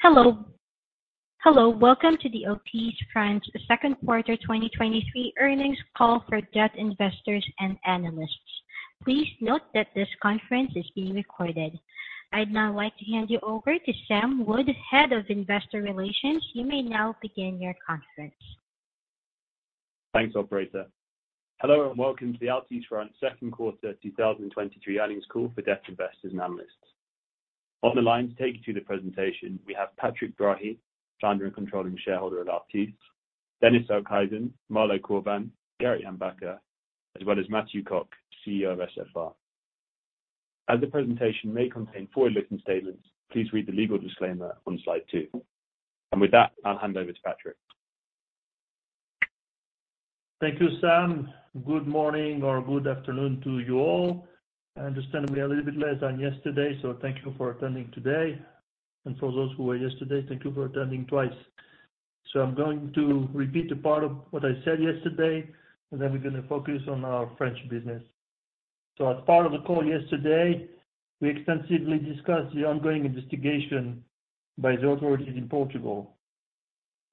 Hello. Hello, welcome to the Altice France Q2 2023 earnings call for debt investors and analysts. Please note that this conference is being recorded. I'd now like to hand you over to Sam Wood, Head of Investor Relations. You may now begin your conference. Thanks, operator. Hello, and welcome to the Altice France Q2 2023 earnings call for debt investors and analysts. On the line to take you through the presentation, we have Patrick Drahi, founder and controlling shareholder of Altice, Dennis Okhuijsen, Malo Corbin, Gerrit-Jan van der Wende, as well as Mathieu Cocq, CEO of SFR. As the presentation may contain forward-looking statements, please read the legal disclaimer on slide 2. With that, I'll hand over to Patrick. Thank you, Sam. Good morning or good afternoon to you all. I understand we are a little bit less than yesterday, thank you for attending today. For those who were yesterday, thank you for attending twice. I'm gonna repeat a part of what I said yesterday, and then we're gonna focus on our French business. As part of the call yesterday, we extensively discussed the ongoing investigation by the authorities in Portugal.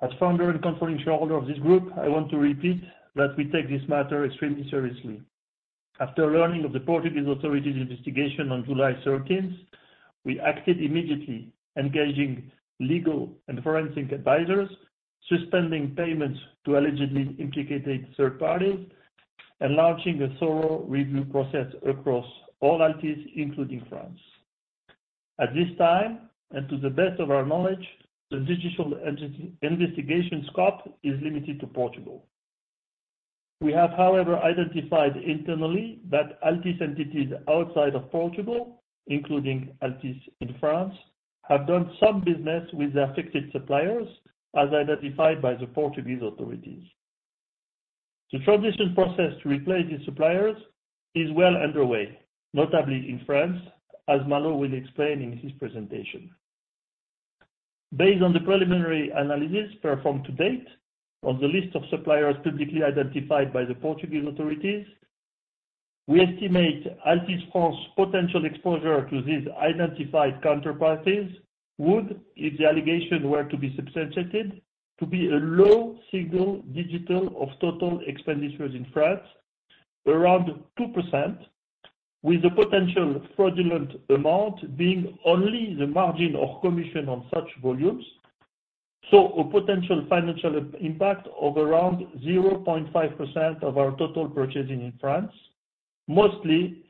As founder and controlling shareholder of this group, I want to repeat that we take this matter extremely seriously. After learning of the Portuguese authorities investigation on July thirteenth, we acted immediately, engaging legal and forensic advisors, suspending payments to allegedly implicated third parties, and launching a thorough review process across all Altice, including France. At this time, and to the best of our knowledge, the digital entity investigation scope is limited to Portugal. We have, however, identified internally that Altice entities outside of Portugal, including Altice in France, have done some business with the affected suppliers, as identified by the Portuguese authorities. The transition process to replace these suppliers is well underway, notably in France, as Malo will explain in his presentation. Based on the preliminary analysis performed to date on the list of suppliers publicly identified by the Portuguese authorities, we estimate Altice France potential exposure to these identified counterparties would, if the allegations were to be substantiated, to be a low single digital of total expenditures in France, around 2%, with the potential fraudulent amount being only the margin of commission on such volumes. A potential financial impact of around 0.5% of our total purchasing in France, mostly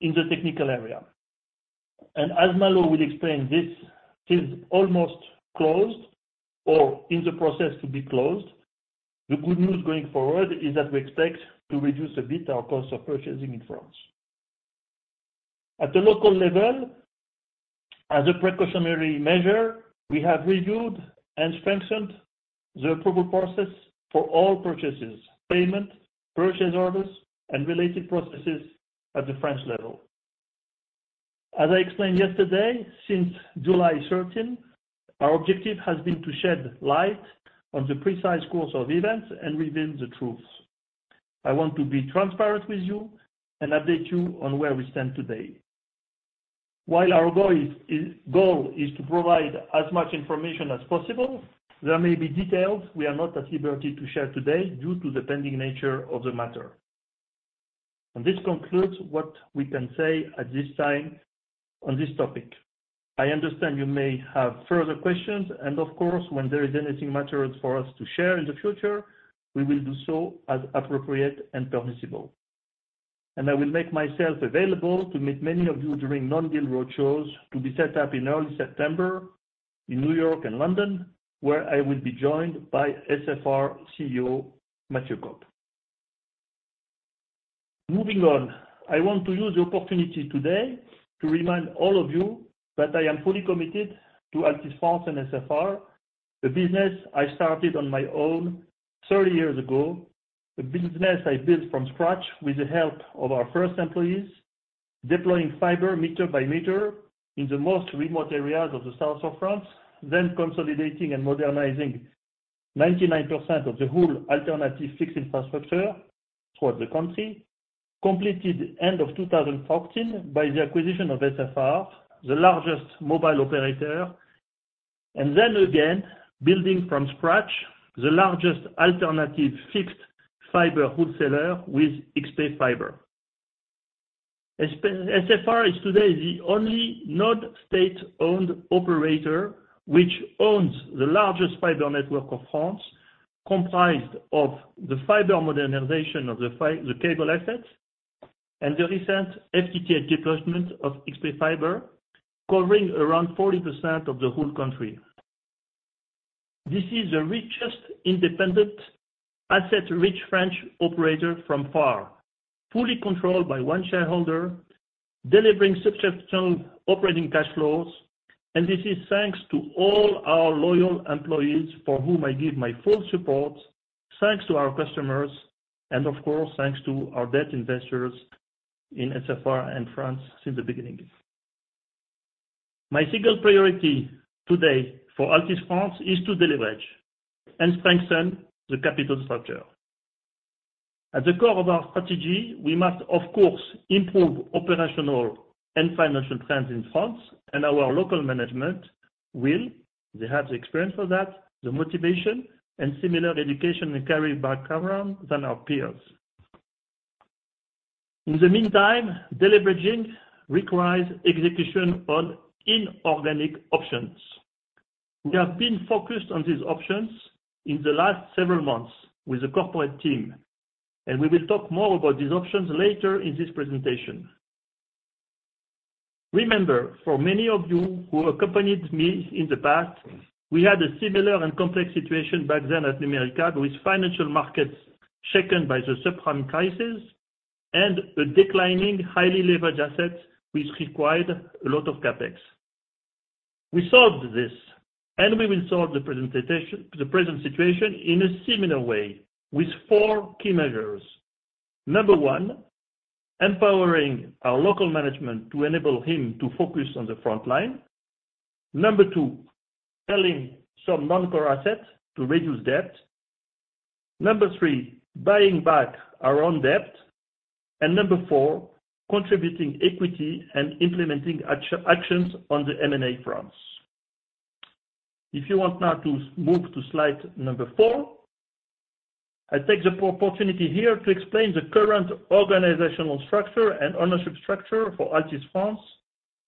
in the technical area. As Malo will explain, this is almost closed or in the process to be closed. The good news going forward is that we expect to reduce a bit our cost of purchasing in France. At the local level, as a precautionary measure, we have reviewed and strengthened the approval process for all purchases, payment, purchase orders, and related processes at the French level. As I explained yesterday, since July 13, our objective has been to shed light on the precise course of events and reveal the truth. I want to be transparent with you and update you on where we stand today. While our goal is to provide as much information as possible, there may be details we are not at liberty to share today due to the pending nature of the matter. This concludes what we can say at this time on this topic. I understand you may have further questions, and of course, when there is anything material for us to share in the future, we will do so as appropriate and permissible. I will make myself available to meet many of you during non-deal roadshows to be set up in early September in New York and London, where I will be joined by SFR CEO, Mathieu Cocq. Moving on, I want to use the opportunity today to remind all of you that I am fully committed to Altice France and SFR, the business I started on my own 30 years ago. The business I built from scratch with the help of our first employees, deploying fiber meter by meter in the most remote areas of the south of France, then consolidating and modernizing 99% of the whole alternative fixed infrastructure throughout the country, completed end of 2014 by the acquisition of SFR, the largest mobile operator, and then again, building from scratch the largest alternative fixed fiber wholesaler with XpFibre. SFR is today the only not state-owned operator, which owns the largest fiber network of France, comprised of the fiber modernization of the cable assets and the recent FTTH deployment of XpFibre, covering around 40% of the whole country. This is the richest independent, asset-rich French operator from far, fully controlled by one shareholder, delivering substantial operating cash flows. This is thanks to all our loyal employees for whom I give my full support, thanks to our customers, and of course, thanks to our debt investors in SFR and France since the beginning. My single priority today for Altice France is to deleverage and strengthen the capital structure. At the core of our strategy, we must, of course, improve operational and financial trends in France. Our local management will. They have the experience for that, the motivation, and similar education and career background than our peers. In the meantime, deleveraging requires execution on inorganic options. We have been focused on these options in the last several months with the corporate team. We will talk more about these options later in this presentation. Remember, for many of you who accompanied me in the past, we had a similar and complex situation back then at Numericable, with financial markets shaken by the subprime crisis and a declining highly leveraged asset, which required a lot of CapEx. We solved this, and we will solve the present situation in a similar way, with 4 key measures. Number 1, empowering our local management to enable him to focus on the front line. Number 2, selling some non-core assets to reduce debt. Number 3, buying back our own debt. Number 4, contributing equity and implementing actions on the M&A fronts. If you want now to move to slide number 4, I take the opportunity here to explain the current organizational structure and ownership structure for Altice France,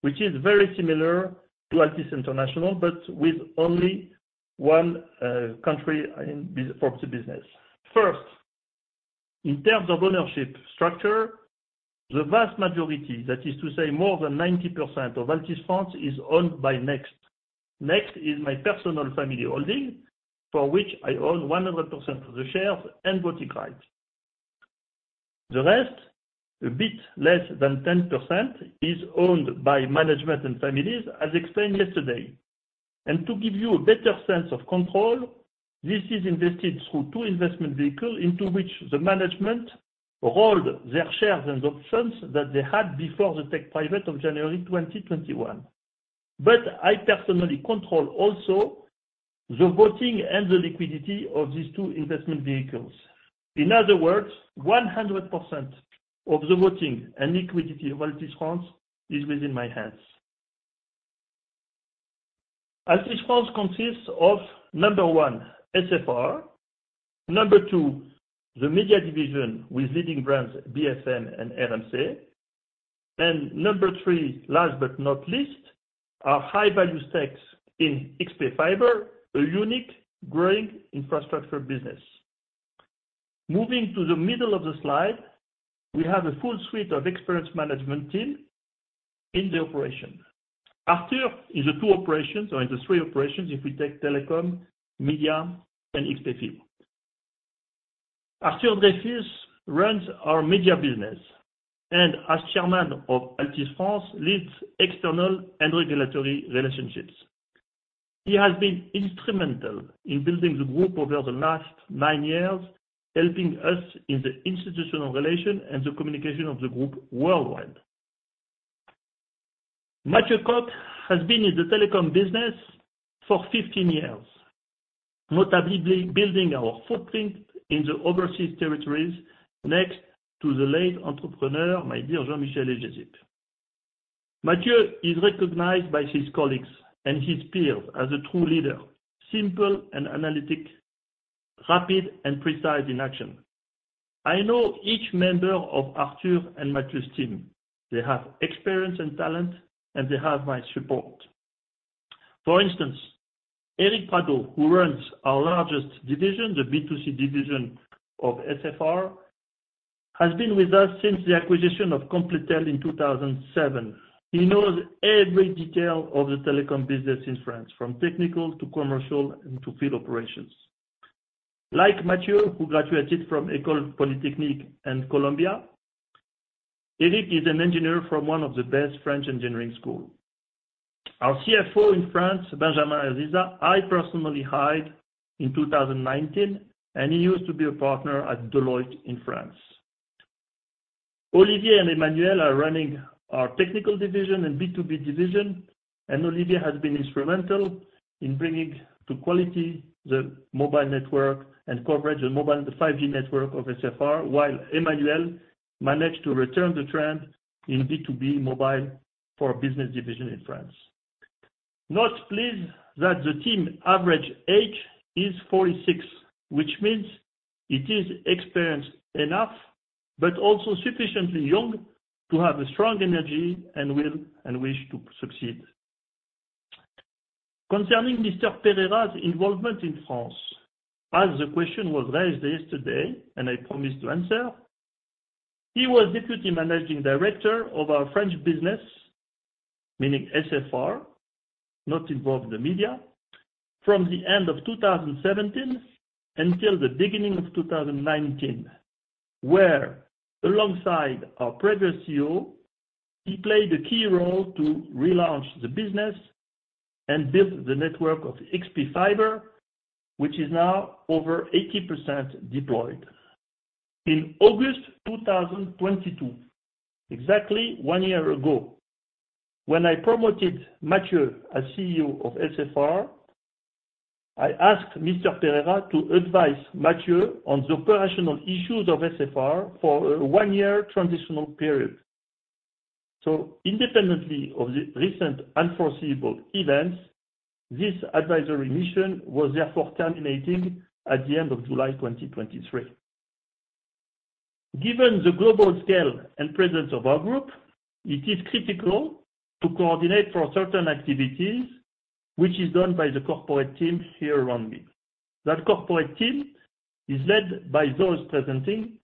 which is very similar to Altice International, but with only one country in for the business. First, in terms of ownership structure, the vast majority, that is to say, more than 90% of Altice France, is owned by Next. Next is my personal family holding, for which I own 100% of the shares and voting rights. The rest, a bit less than 10%, is owned by management and families, as explained yesterday. To give you a better sense of control, this is invested through two investment vehicles into which the management hold their shares and options that they had before the take-private of January 2021. I personally control also the voting and the liquidity of these two investment vehicles. In other words, 100% of the voting and liquidity of Altice France is within my hands. Altice France consists of, number one, SFR. Number two, the media division with leading brands, BFM and RMC. Number 3, last but not least, our high-value stakes in XpFibre, a unique growing infrastructure business. Moving to the middle of the slide, we have a full suite of experienced management team in the operation. Arthur, is the 2 operations or in the 3 operations, if we take telecom, media, and XpFibre. Arthur Dreyfuss runs our media business, and as Chairman of Altice France, leads external and regulatory relationships. He has been instrumental in building the group over the last 9 years, helping us in the institutional relation and the communication of the group worldwide. Mathieu Cocq has been in the telecom business for 15 years, notably building our footprint in the overseas territories next to the late entrepreneur, my dear Jean-Michel Hélie. Mathieu is recognized by his colleagues and his peers as a true leader, simple and analytic, rapid and precise in action. I know each member of Arthur and Mathieu's team. They have experience and talent, and they have my support. For instance, Eric Pradeau, who runs our largest division, the B2C division of SFR, has been with us since the acquisition of Completel in 2007. He knows every detail of the telecom business in France, from technical to commercial, and to field operations. Like Mathieu, who graduated from École Polytechnique and Columbia, Eric is an engineer from one of the best French engineering school. Our CFO in France, Benjamin Haziza, I personally hired in 2019, and he used to be a partner at Deloitte in France. Olivier and Emmanuel are running our technical division and B2B division, and Olivier has been instrumental in bringing to quality the mobile network and coverage the mobile, and the 5G network of SFR, while Emmanuel managed to return the trend in B2B mobile for our business division in France. Note please, that the team average age is 46, which means it is experienced enough, but also sufficiently young to have a strong energy and will, and wish to succeed. Concerning Mr. Pereira's involvement in France, as the question was raised yesterday, and I promised to answer, he was deputy managing director of our French business, meaning SFR, not involved in the media, from the end of 2017 until the beginning of 2019, where alongside our previous CEO, he played a key role to relaunch the business and build the network of XpFibre, which is now over 80% deployed. In August 2022, exactly one year ago, when I promoted Mathieu as CEO of SFR, I asked Mr. Pereira to advise Mathieu on the operational issues of SFR for a one-year transitional period. Independently of the recent unforeseeable events, this advisory mission was therefore terminating at the end of July 2023. Given the global scale and presence of our group, it is critical to coordinate for certain activities, which is done by the corporate team here around me. That corporate team is led by those presenting,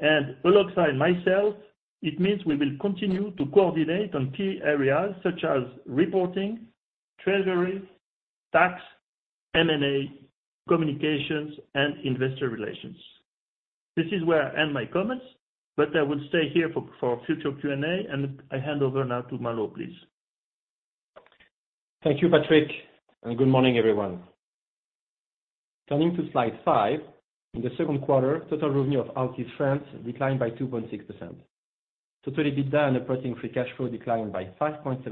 and alongside myself, it means we will continue to coordinate on key areas such as reporting, treasury, tax, M&A, communications, and investor relations. This is where I end my comments, but I will stay here for future Q&A, and I hand over now to Malo, please. Thank you, Patrick. Good morning, everyone. Turning to slide 5. In the Q2, total revenue of Altice France declined by 2.6%. Total EBITDA and operating free cash flow declined by 5.7%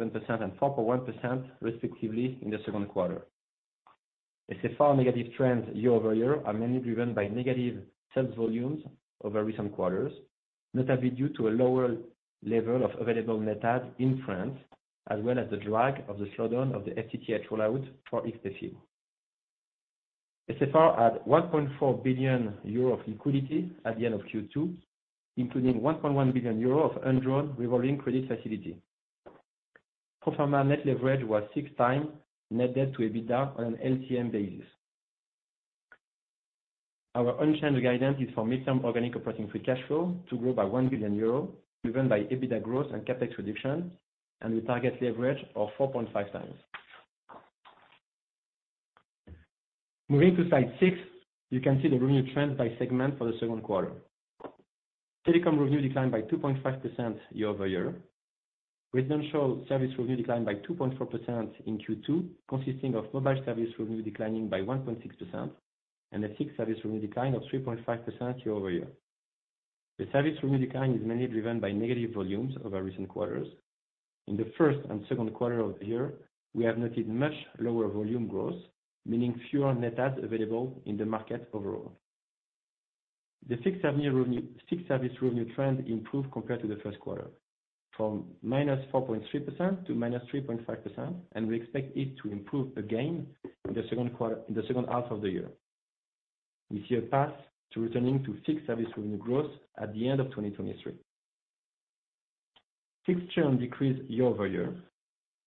and 4.1%, respectively, in the Q2. SFR negative trends year-over-year are mainly driven by negative sales volumes over recent quarters, notably due to a lower level of available net add in France, as well as the drag of the slowdown of the FTTH rollout for XpFibre. SFR had 1.4 billion euro of liquidity at the end of Q2, including 1.1 billion euro of undrawn revolving credit facility. Pro forma net leverage was 6 times net debt to EBITDA on an LTM basis. Our unchanged guidance is for midterm organic operating free cash flow to grow by 1 billion euro, driven by EBITDA growth and CapEx reduction. We target leverage of 4.5x. Moving to slide 6, you can see the revenue trend by segment for the Q2. Telecom revenue declined by 2.5% year-over-year, with non-show service revenue declined by 2.4% in Q2, consisting of mobile service revenue declining by 1.6% and a fixed service revenue decline of 3.5% year-over-year. The service revenue decline is mainly driven by negative volumes over recent quarters. In the first and Q2 of the year, we have noted much lower volume growth, meaning fewer net adds available in the market overall. The fixed service revenue trend improved compared to the Q1, from minus 4.3% to minus 3.5%. We expect it to improve again in the second half of the year. We see a path to returning to fixed service revenue growth at the end of 2023. Fixed churn decreased year-over-year.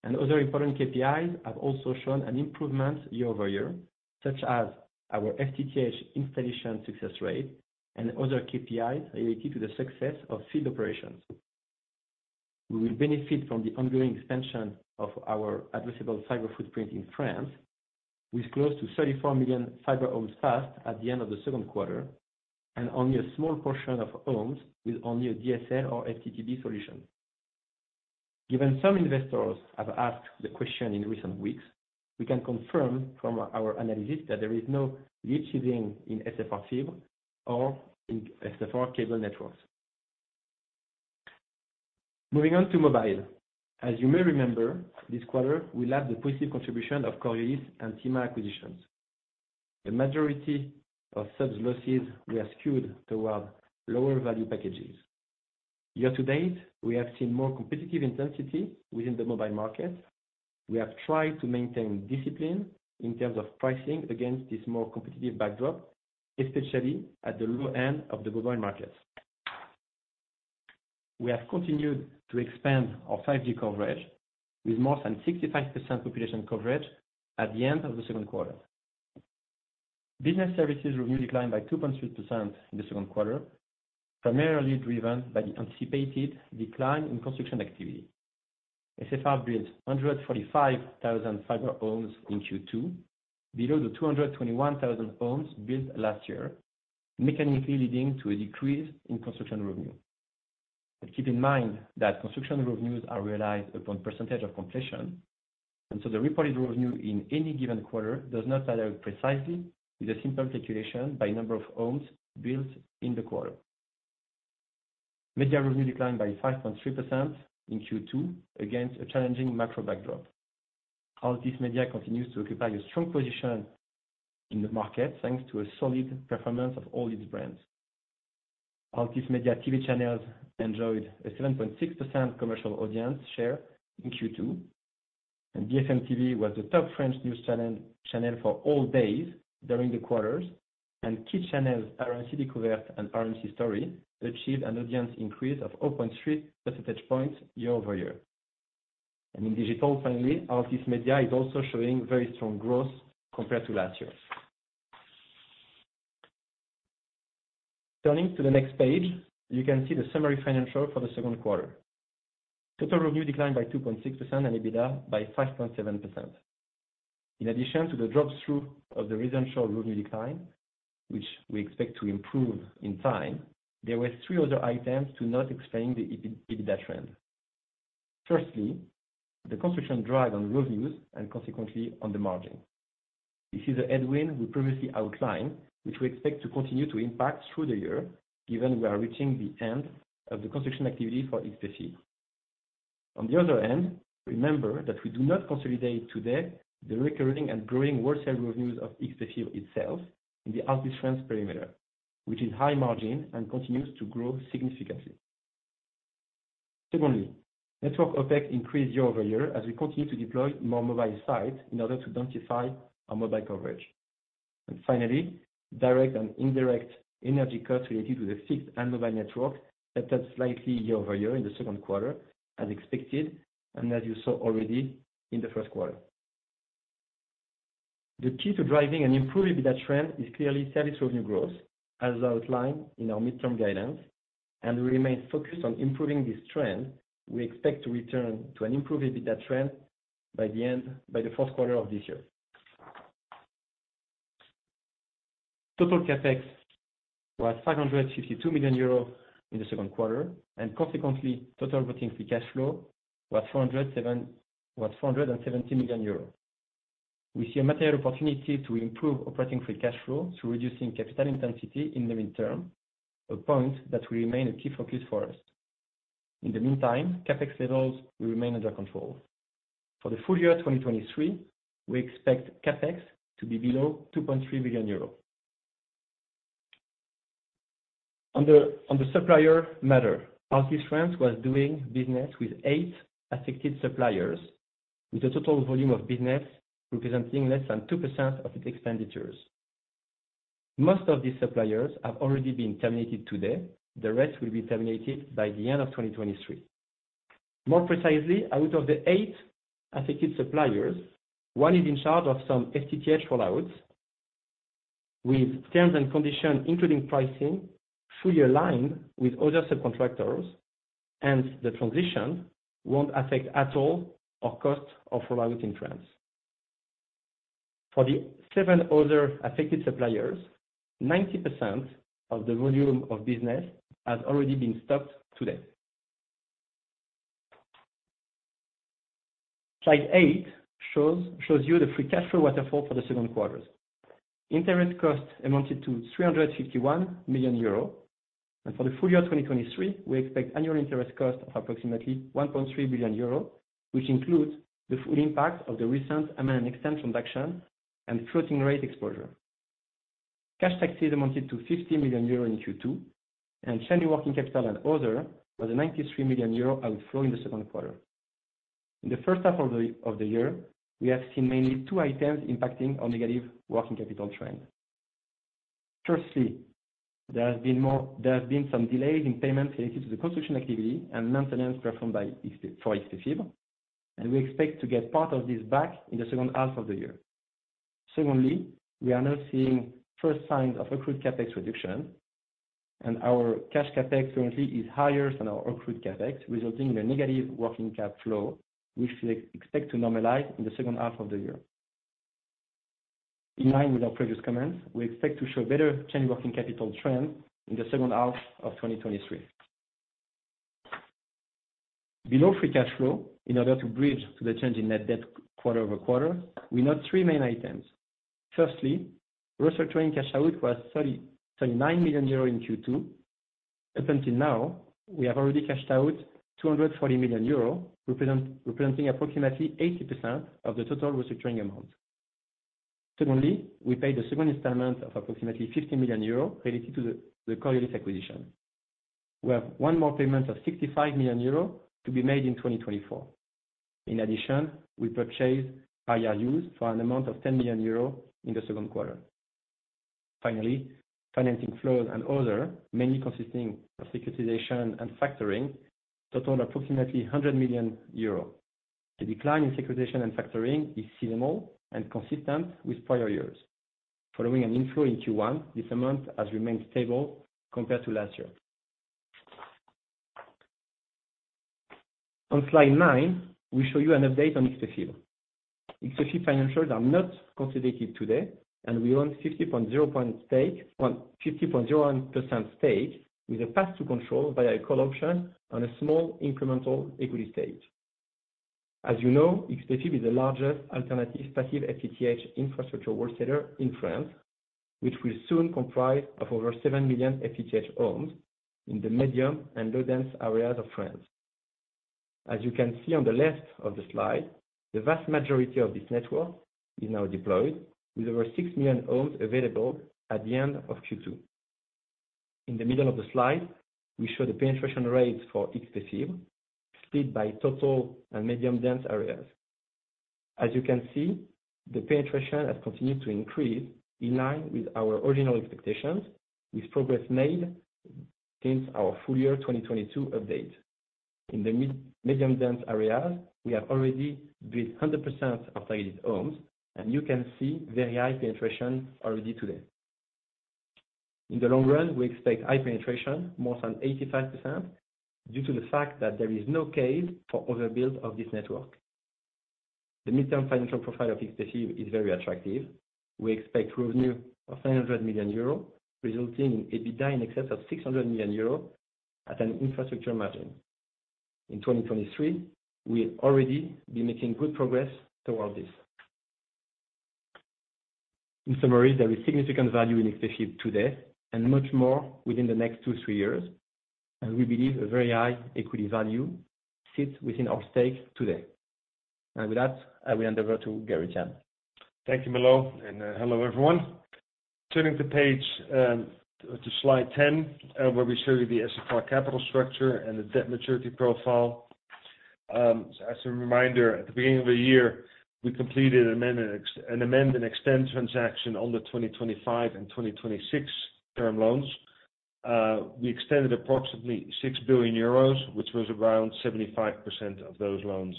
Other important KPIs have also shown an improvement year-over-year, such as our FTTH installation success rate and other KPIs related to the success of field operations. We will benefit from the ongoing expansion of our addressable fiber footprint in France, with close to 34 million fiber homes passed at the end of the Q2, and only a small portion of homes with only a DSL or FTTB solution. Given some investors have asked the question in recent weeks, we can confirm from our analysis that there is no leaching in SFR fiber or in SFR cable networks. Moving on to mobile. As you may remember, this quarter, we'll have the positive contribution of Coriolis and Syma acquisitions. The majority of such losses were skewed towards lower value packages. Year to date, we have seen more competitive intensity within the mobile market. We have tried to maintain discipline in terms of pricing against this more competitive backdrop, especially at the low end of the mobile market. We have continued to expand our 5G coverage with more than 65% population coverage at the end of the Q2. Business services revenue declined by 2.3% in the Q2, primarily driven by the anticipated decline in construction activity. SFR built 145,000 fiber homes in Q2, below the 221,000 homes built last year, mechanically leading to a decrease in construction revenue. Keep in mind that construction revenues are realized upon % of completion, and so the reported revenue in any given quarter does not add up precisely with a simple calculation by number of homes built in the quarter. Media revenue declined by 5.3% in Q2 against a challenging macro backdrop. Altice Media continues to occupy a strong position in the market, thanks to a solid performance of all its brands. Altice Media TV channels enjoyed a 7.6% commercial audience share in Q2, BFM TV was the top French news channel, channel for all days during the quarters, kid channels RMC Découverte and RMC Story achieved an audience increase of 0.3 percentage points year-over-year. In digital, finally, Altice Media is also showing very strong growth compared to last year. Turning to the next page, you can see the summary financial for the Q2. Total revenue declined by 2.6% and EBITDA by 5.7%. In addition to the drop-through of the residential revenue decline, which we expect to improve in time, there were three other items to not explain the EBITDA trend. Firstly, the construction drag on revenues and consequently on the margin. This is a headwind we previously outlined, which we expect to continue to impact through the year, given we are reaching the end of the construction activity for each PC. The other hand, remember that we do not consolidate today the recurring and growing wholesale revenues of XpFibre itself in the Altice France perimeter, which is high-margin and continues to grow significantly. Secondly, network OpEx increased year-over-year as we continue to deploy more mobile sites in order to identify our mobile coverage. Finally, direct and indirect energy costs related to the fixed and mobile network stepped up slightly year-over-year in the Q2, as expected, and as you saw already in the Q1. The key to driving an improved EBITDA trend is clearly service revenue growth, as outlined in our midterm guidance, and we remain focused on improving this trend. We expect to return to an improved EBITDA trend by the Q4 of this year. Total CapEx was 562 million euros in the Q2, and consequently, total working free cash flow was 470 million euros. We see a material opportunity to improve operating free cash flow through reducing capital intensity in the midterm, a point that will remain a key focus for us. In the meantime, CapEx levels will remain under control. For the full year 2023, we expect CapEx to be below 2.3 billion euros. On the supplier matter, Altice France was doing business with 8 affected suppliers, with a total volume of business representing less than 2% of its expenditures. Most of these suppliers have already been terminated today. The rest will be terminated by the end of 2023. More precisely, out of the 8 affected suppliers, one is in charge of some FTTH rollouts, with terms and conditions, including pricing, fully aligned with other subcontractors, and the transition won't affect at all our cost of rollout in France. For the 7 other affected suppliers, 90% of the volume of business has already been stopped today. Slide 8 shows you the free cash flow waterfall for the Q2. Interest costs amounted to 351 million euro, and for the full year 2023, we expect annual interest costs of approximately 1.3 billion euro, which includes the full impact of the recent amendment extent transaction and floating rate exposure. Cash taxes amounted to 50 million euro in Q2. Semi-working capital and other was a 93 million euro outflow in the Q2. In the first half of the year, we have seen mainly two items impacting our negative working capital trend. Firstly, there have been some delays in payments related to the construction activity and maintenance performed for XpFibre. We expect to get part of this back in the second half of the year. Secondly, we are now seeing first signs of accrued CapEx reduction. Our cash CapEx currently is higher than our accrued CapEx, resulting in a negative working cap flow, which we expect to normalize in the second half of the year. In line with our previous comments, we expect to show better change working capital trend in the second half of 2023. Below free cash flow, in order to bridge to the change in net debt quarter over quarter, we note three main items. Firstly, restructuring cash out was 39 million euro in Q2. Up until now, we have already cashed out 240 million euro, representing approximately 80% of the total restructuring amount. Secondly, we paid the second installment of approximately 50 million euro related to the Coriolis acquisition. We have one more payment of 65 million euro to be made in 2024. In addition, we purchased IRUs for an amount of 10 million euros in the Q2. Finally, financing flows and other, mainly consisting of securitization and factoring, totaled approximately 100 million euros. The decline in securitization and factoring is seasonal and consistent with prior years. Following an inflow in Q1, this amount has remained stable compared to last year. On slide 9, we show you an update on XpFibre. XpFibre financials are not consolidated today, and we own 50.01% stake, with a path to control via a call option on a small incremental equity stake. As you know, XpFibre is the largest alternative passive FTTH infrastructure work center in France, which will soon comprise of over 7 million FTTH homes in the medium and low-dense areas of France. As you can see on the left of the slide, the vast majority of this network is now deployed, with over 6 million homes available at the end of Q2. In the middle of the slide, we show the penetration rates for XpFibre, split by total and medium dense areas. As you can see, the penetration has continued to increase in line with our original expectations, with progress made since our full year 2022 update. In the mid-medium dense areas, we have already built 100% of lighted homes, and you can see very high penetration already today. In the long run, we expect high penetration, more than 85%, due to the fact that there is no case for overbuild of this network... The midterm financial profile of XpFibre is very attractive. We expect revenue of 700 million euros, resulting in EBITDA in excess of 600 million euros at an infrastructure margin. In 2023, we'll already be making good progress toward this. In summary, there is significant value in XpFibre today, and much more within the next 2, 3 years, and we believe a very high equity value sits within our stake today. With that, I will hand over to Gerrit Jan. Thank you, Malo, and hello, everyone. Turning to page, to slide 10, where we show you the SFR capital structure and the debt maturity profile. As a reminder, at the beginning of the year, we completed an amend and extend transaction on the 2025 and 2026 term loans. We extended approximately 6 billion euros, which was around 75% of those loans,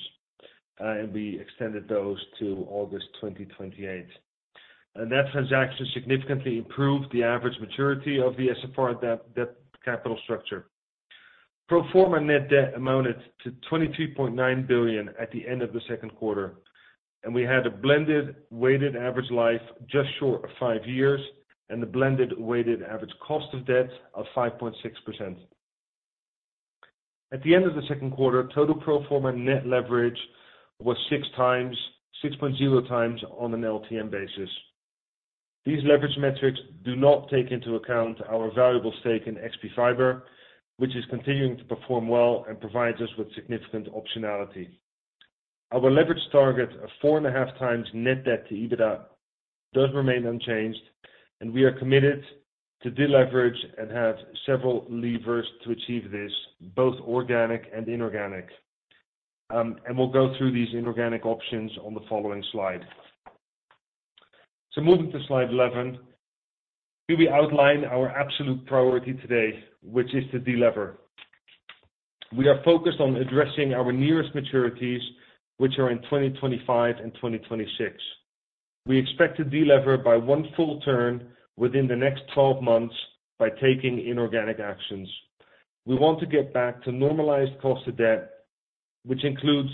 and we extended those to August 2028. That transaction significantly improved the average maturity of the SFR debt capital structure. Pro forma net debt amounted to 22.9 billion at the end of the 2Q, and we had a blended weighted average life just short of 5 years, and a blended weighted average cost of debt of 5.6%. At the end of the Q2, total pro forma net leverage was 6 times, 6.0 times on an LTM basis. These leverage metrics do not take into account our valuable stake in XpFibre, which is continuing to perform well and provides us with significant optionality. Our leverage target of 4.5 times net debt to EBITDA, does remain unchanged, and we are committed to deleverage and have several levers to achieve this, both organic and inorganic. We'll go through these inorganic options on the following slide. Moving to slide 11. Here we outline our absolute priority today, which is to delever. We are focused on addressing our nearest maturities, which are in 2025 and 2026. We expect to delever by 1 full term within the next 12 months by taking inorganic actions. We want to get back to normalized cost of debt, which includes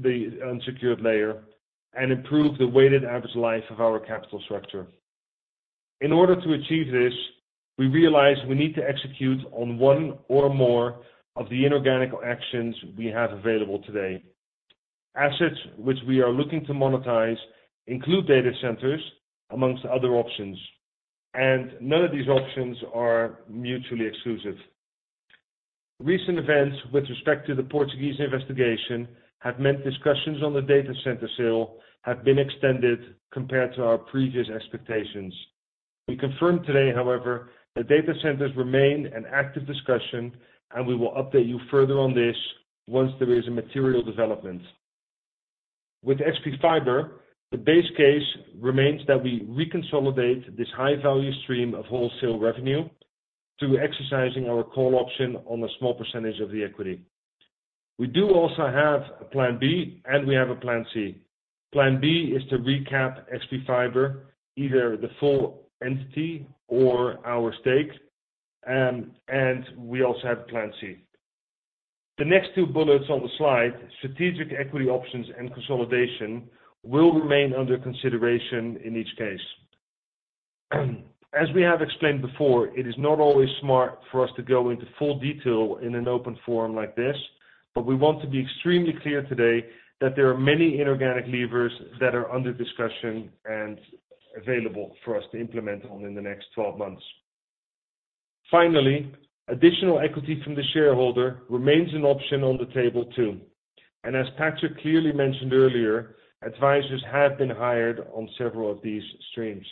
the unsecured layer, and improve the weighted average life of our capital structure. In order to achieve this, we realize we need to execute on one or more of the inorganic actions we have available today. Assets which we are looking to monetize include data centers, amongst other options, and none of these options are mutually exclusive. Recent events with respect to the Portugal investigation, have meant discussions on the data center sale have been extended compared to our previous expectations. We confirm today, however, that data centers remain an active discussion, and we will update you further on this once there is a material development. With XpFibre, the base case remains that we reconsolidate this high value stream of wholesale revenue through exercising our call option on a small percentage of the equity. We do also have a plan B, and we have a plan C. Plan B is to recap XpFibre, either the full entity or our stake, and we also have plan C. The next 2 bullets on the slide, strategic equity options and consolidation, will remain under consideration in each case. As we have explained before, it is not always smart for us to go into full detail in an open forum like this, but we want to be extremely clear today that there are many inorganic levers that are under discussion and available for us to implement on in the next 12 months. Finally, additional equity from the shareholder remains an option on the table, too. As Patrick clearly mentioned earlier, advisors have been hired on several of these streams.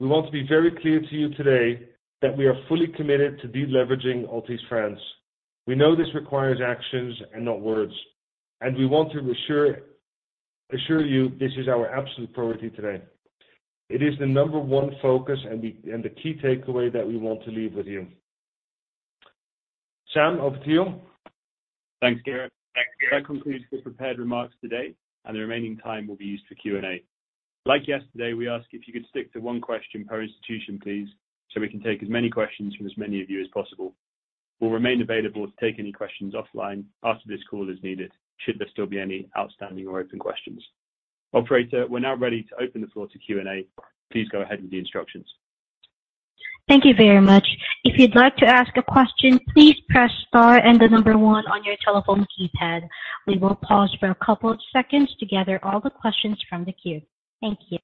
We want to be very clear to you today that we are fully committed to deleveraging Altice France. We know this requires actions and not words, and we want to assure you this is our absolute priority today. It is the number one focus and the key takeaway that we want to leave with you. Sam, over to you. Thanks, Gerrit. That concludes the prepared remarks today, and the remaining time will be used for Q&A. Like yesterday, we ask if you could stick to one question per institution, please, so we can take as many questions from as many of you as possible. We'll remain available to take any questions offline after this call as needed, should there still be any outstanding or open questions. Operator, we're now ready to open the floor to Q&A. Please go ahead with the instructions. Thank you very much. If you'd like to ask a question, please press star and the number one on your telephone keypad. We will pause for a couple of seconds to gather all the questions from the queue. Thank you.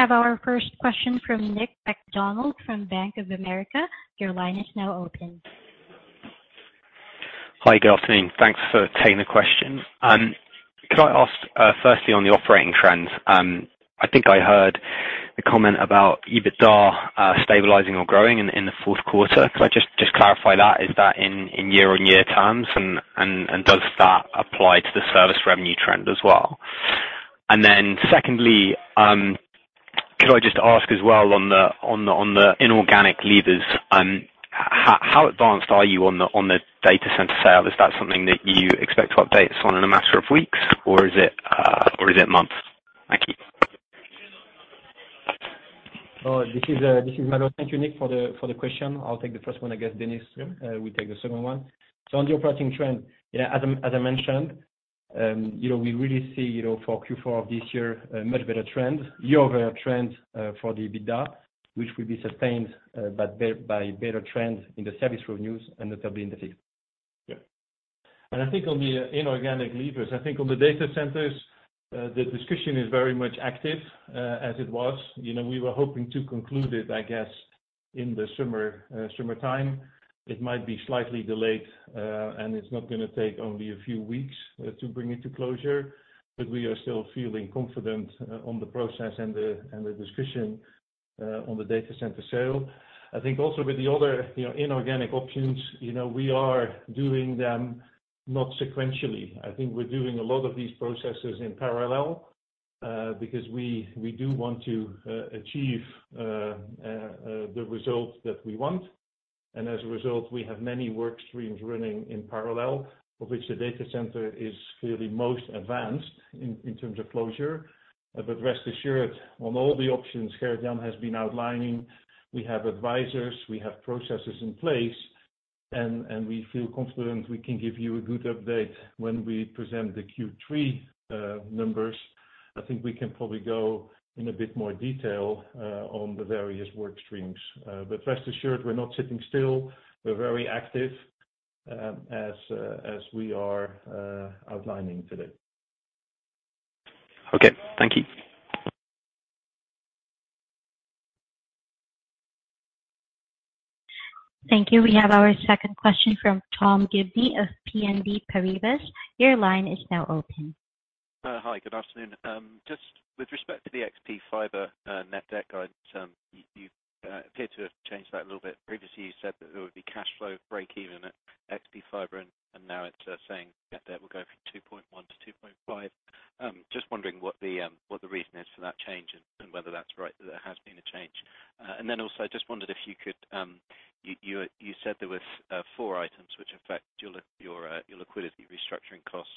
We have our first question from Nick McDonald, from Bank of America. Your line is now open. Hi, good afternoon. Thanks for taking the question. Could I ask, firstly, on the operating trends, I think I heard the comment about EBITDA stabilizing or growing in the Q4. Could I just clarify that? Is that in year-on-year terms, and does that apply to the service revenue trend as well? Secondly, could I just ask as well on the inorganic levers, how advanced are you on the data center sale? Is that something that you expect to update on in a matter of weeks, or is it or is it months? Thank you. This is Malo. Thank you, Nick McDonald, for the, for the question. I'll take the first one, I guess Dennis Okhuijsen will take the second one. So on the operating trend, yeah, as I, as I mentioned, you know, we really see, you know, for Q4 of this year, a much better trend. Year over trend for the EBITDA, which will be sustained by better trends in the service revenues, and that will be in the fifth. Yeah. I think on the inorganic levers, I think on the data centers, the discussion is very much active, as it was. You know, we were hoping to conclude it, I guess, in the summer, summertime. It might be slightly delayed, and it's not gonna take only a few weeks to bring it to closure, but we are still feeling confident on the process and the, and the discussion on the data center sale. I think also with the other, you know, inorganic options, you know, we are doing them not sequentially. I think we're doing a lot of these processes in parallel, because we, we do want to achieve the results that we want. As a result, we have many work streams running in parallel, of which the data center is clearly most advanced in terms of closure. Rest assured, on all the options Gerrit Jan has been outlining, we have advisors, we have processes in place, and we feel confident we can give you a good update when we present the Q3 numbers. I think we can probably go in a bit more detail on the various work streams. Rest assured, we're not sitting still. We're very active as we are outlining today. Okay, thank you. Thank you. We have our second question from Tom Gibney of BNP Paribas. Your line is now open. Hi, good afternoon. Just with respect to the XpFibre net debt guides, you, you appear to have changed that a little bit. Previously, you said that there would be cash flow breakeven at XpFibre, and now it's saying that we're going from 2.1-2.5. Just wondering what the reason is for that change, and whether that's right, that there has been a change. Also, I just wondered if you could, you, you, you said there was 4 items which affect your liquidity restructuring costs,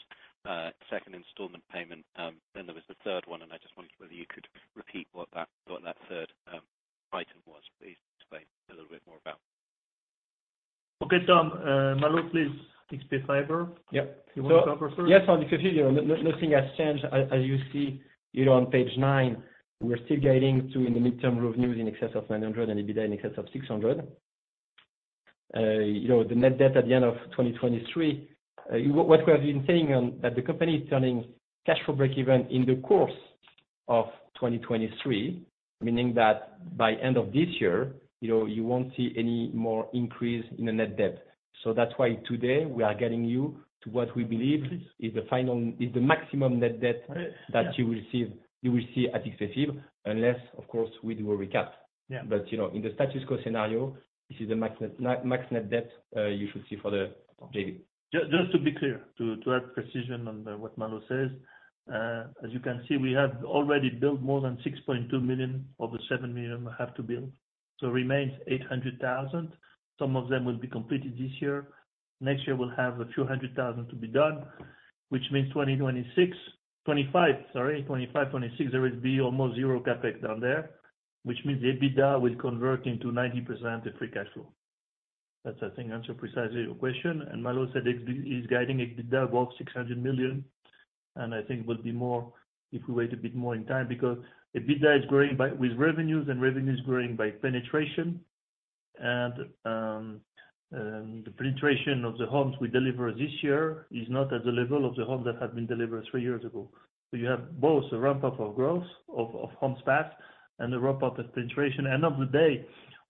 second installment payment. There was the third one, and I just wondered whether you could repeat what that, what that third item was, please. Explain a little bit more about. Okay, Tom. Malo, please, XpFibre. Yeah. You want to cover first? Yes, on the confusion, nothing has changed. As you see, you know, on page 9, we're still guiding to in the midterm revenues in excess of 900 and EBITDA in excess of 600. The net debt at the end of 2023, what we have been saying on that the company is turning cash flow breakeven in the course of 2023, meaning that by end of this year, you know, you won't see any more increase in the net debt. That's why today we are getting you to what we believe is the maximum net debt that you will see, you will see at exit, unless, of course, we do a recap. Yeah. You know, in the status quo scenario, this is the max net, max net debt, you should see for the day. Just to be clear, to add precision on what Malo says. As you can see, we have already built more than 6.2 million of the 7 million we have to build. Remains 800,000. Some of them will be completed this year. Next year, we'll have a few hundred thousand to be done, which means 2026, 2025, sorry, 2025, 2026, there will be almost zero CapEx down there, which means the EBITDA will convert into 90% the free cash flow. That, I think, answers precisely your question. Malo said he's guiding EBITDA above 600 million, and I think will be more if we wait a bit more in time, because EBITDA is growing by, with revenues, and revenues growing by penetration. The penetration of the homes we deliver this year is not at the level of the home that had been delivered three years ago. You have both a ramp-up of growth of homes passed and a ramp-up of penetration.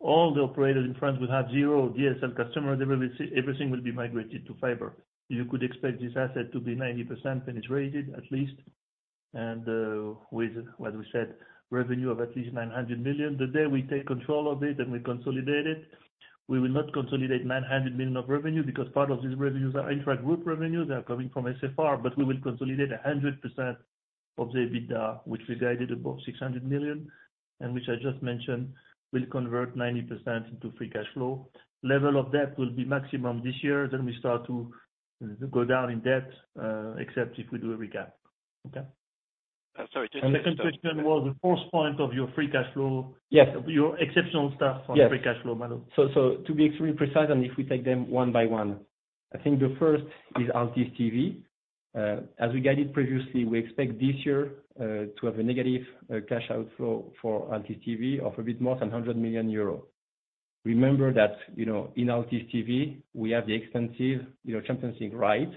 All the operators in France will have zero DSL customer. Everything will be migrated to fiber. You could expect this asset to be 90% penetrated, at least, with, as we said, revenue of at least 900 million. The day we take control of it, and we consolidate it, we will not consolidate 900 million of revenue because part of this revenues are intra-group revenue. They are coming from SFR. We will consolidate 100% of the EBITDA, which we guided above 600 million, which I just mentioned, will convert 90% into free cash flow. Level of debt will be maximum this year, then we start to go down in debt, except if we do a recap. Okay? Sorry, The second question was the fourth point of your free cash flow. Yes. Your exceptional stuff. Yes. on free cash flow, Malo. To be extremely precise, if we take them one by one, I think the first is Altice TV. As we guided previously, we expect this year to have a negative cash outflow for Altice TV of a bit more than 100 million euro. Remember that, you know, in Altice TV, we have the extensive, you know, championship rights,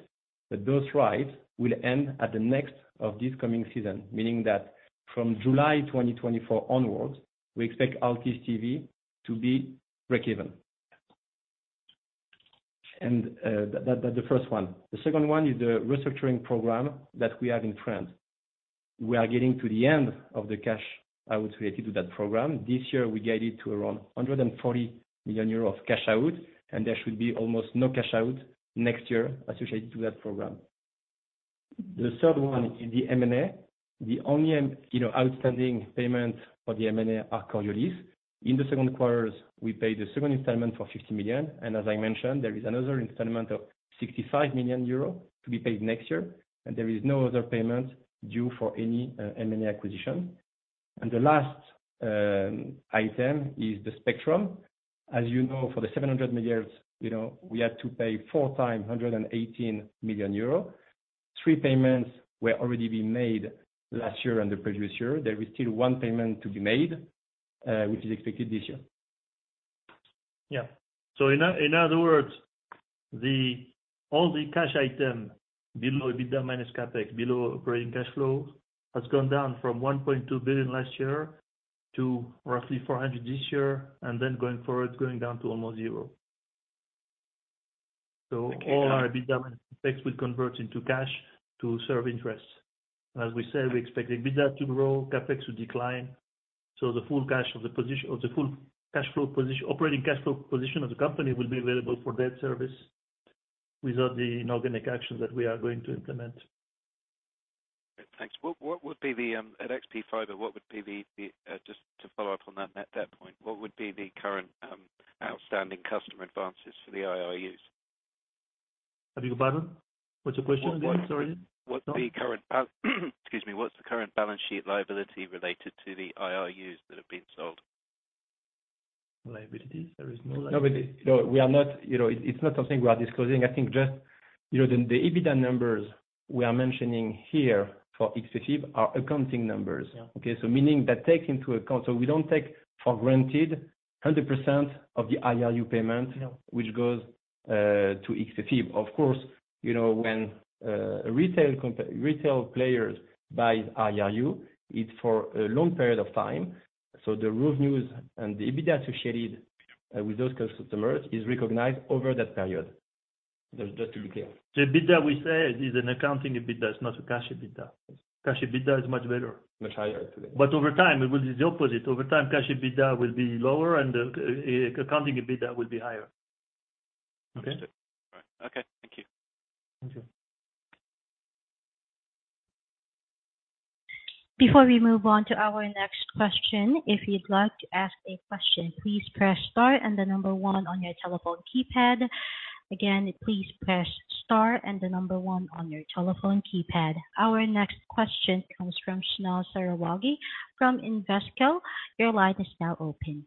but those rights will end at the next of this coming season, meaning that from July 2024 onwards, we expect Altice TV to be breakeven. That's the first one. The second one is the restructuring program that we have in France. We are getting to the end of the cash out related to that program. This year, we guided to around 140 million euros of cash out. There should be almost no cash out next year associated to that program. The third one is the M&A. The only, you know, outstanding payment for the M&A are Coriolis. In the Q2, we paid the second installment for 50 million. As I mentioned, there is another installment of 65 million euro to be paid next year, and there is no other payment due for any M&A acquisition. The last item is the spectrum. As you know, for the 700 million, you know, we had to pay four times, 118 million euro. Three payments were already being made last year and the previous year. There is still one payment to be made, which is expected this year. Yeah. In other words, all the cash item below EBITDA minus CapEx, below operating cash flow, has gone down from 1.2 billion last year to roughly 400 million this year, then going forward, going down to almost zero. All our EBITDA minus CapEx will convert into cash to serve interest. As we said, we expect EBITDA to grow, CapEx to decline, so the full cash flow position, operating cash flow position of the company will be available for debt service without the inorganic action that we are going to implement. Thanks. What, what would be the, at XpFibre, what would be the, the, just to follow up on that, that point, what would be the current, outstanding customer advances for the IRUs? I beg your pardon? What's the question again? Sorry. What's the current Excuse me. What's the current balance sheet liability related to the IRUs that have been sold? Liabilities? There is no liability. No, we are not, you know, it's not something we are disclosing. I think just, you know, the EBITDA numbers we are mentioning here for XpFibre are accounting numbers. Yeah. Meaning that take into account. We don't take for granted 100% of the IRU payment. No. which goes to XpFibre. Of course, you know, when a retail players buys IRU, it's for a long period of time. The revenues and the EBITDA associated with those customers is recognized over that period. Just, just to be clear. The EBITDA, we say, is an accounting EBITDA, it's not a cash EBITDA. Cash EBITDA is much better. Much higher today. Over time, it will be the opposite. Over time, cash EBITDA will be lower and the accounting EBITDA will be higher. Okay? Understood. All right. Okay, thank you. Thank you. Before we move on to our next question, if you'd like to ask a question, please press star and the number one on your telephone keypad. Again, please press star and the number one on your telephone keypad. Our next question comes from Sheenal Sarawagi from Investec. Your line is now open.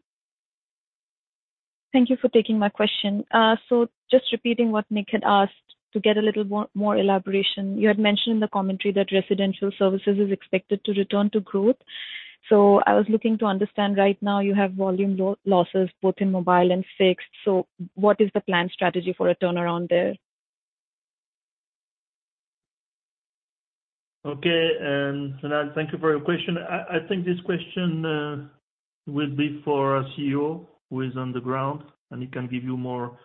Thank you for taking my question. Just repeating what Nick had asked to get a little more, more elaboration. You had mentioned in the commentary that residential services is expected to return to growth. I was looking to understand. Right now you have volume losses both in mobile and fixed. What is the plan strategy for a turnaround there? Okay. Sheenal, thank you for your question. I, I think this question will be for our CEO, who is on the ground, and he can give you more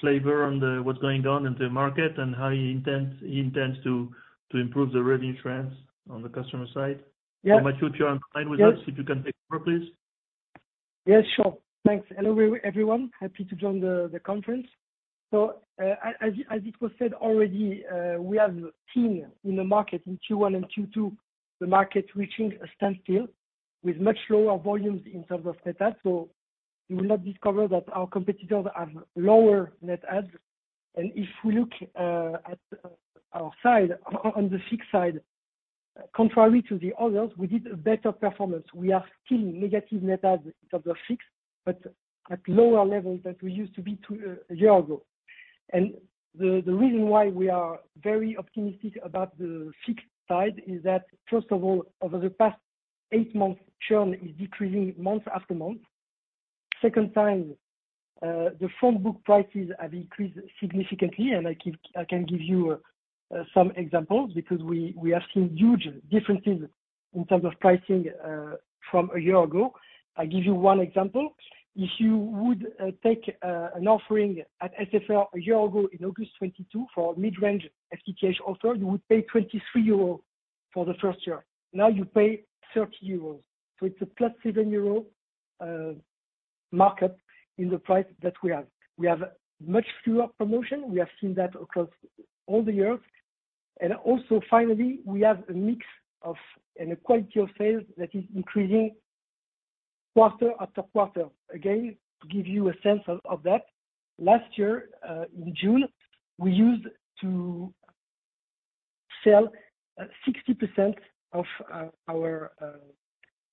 flavor on the, what's going on in the market and how he intends, he intends to, to improve the revenue trends on the customer side. Yeah. Mathieu, if you're on line with us, if you can take over, please. Yes, sure. Thanks. Hello, everyone. Happy to join the conference. As it was said already, we have seen in the market in Q1 and Q2, the market reaching a standstill with much lower volumes in terms of data. You will not discover that our competitors have lower net adds. If we look at our side, on the fixed side, contrary to the others, we did a better performance. We are still negative net adds in terms of fixed, but at lower levels than we used to be two a year ago. The reason why we are very optimistic about the fixed side is that, first of all, over the past eight months, churn is decreasing month after month. Second time, the phone book prices have increased significantly, and I can give you some examples because we have seen huge differences in terms of pricing from a year ago. I'll give you one example: If you would take an offering at SFR a year ago, in August 2022, for mid-range FTTH offer, you would pay 23 euros for the 1st year. Now you pay 30 euros. It's a +7 euro market in the price that we have. We have much fewer promotion. We have seen that across all the years. Finally, we have a mix of, and a quality of sales that is increasing quarter after quarter. Again, to give you a sense of that, last year, in June, we used to sell 60% of our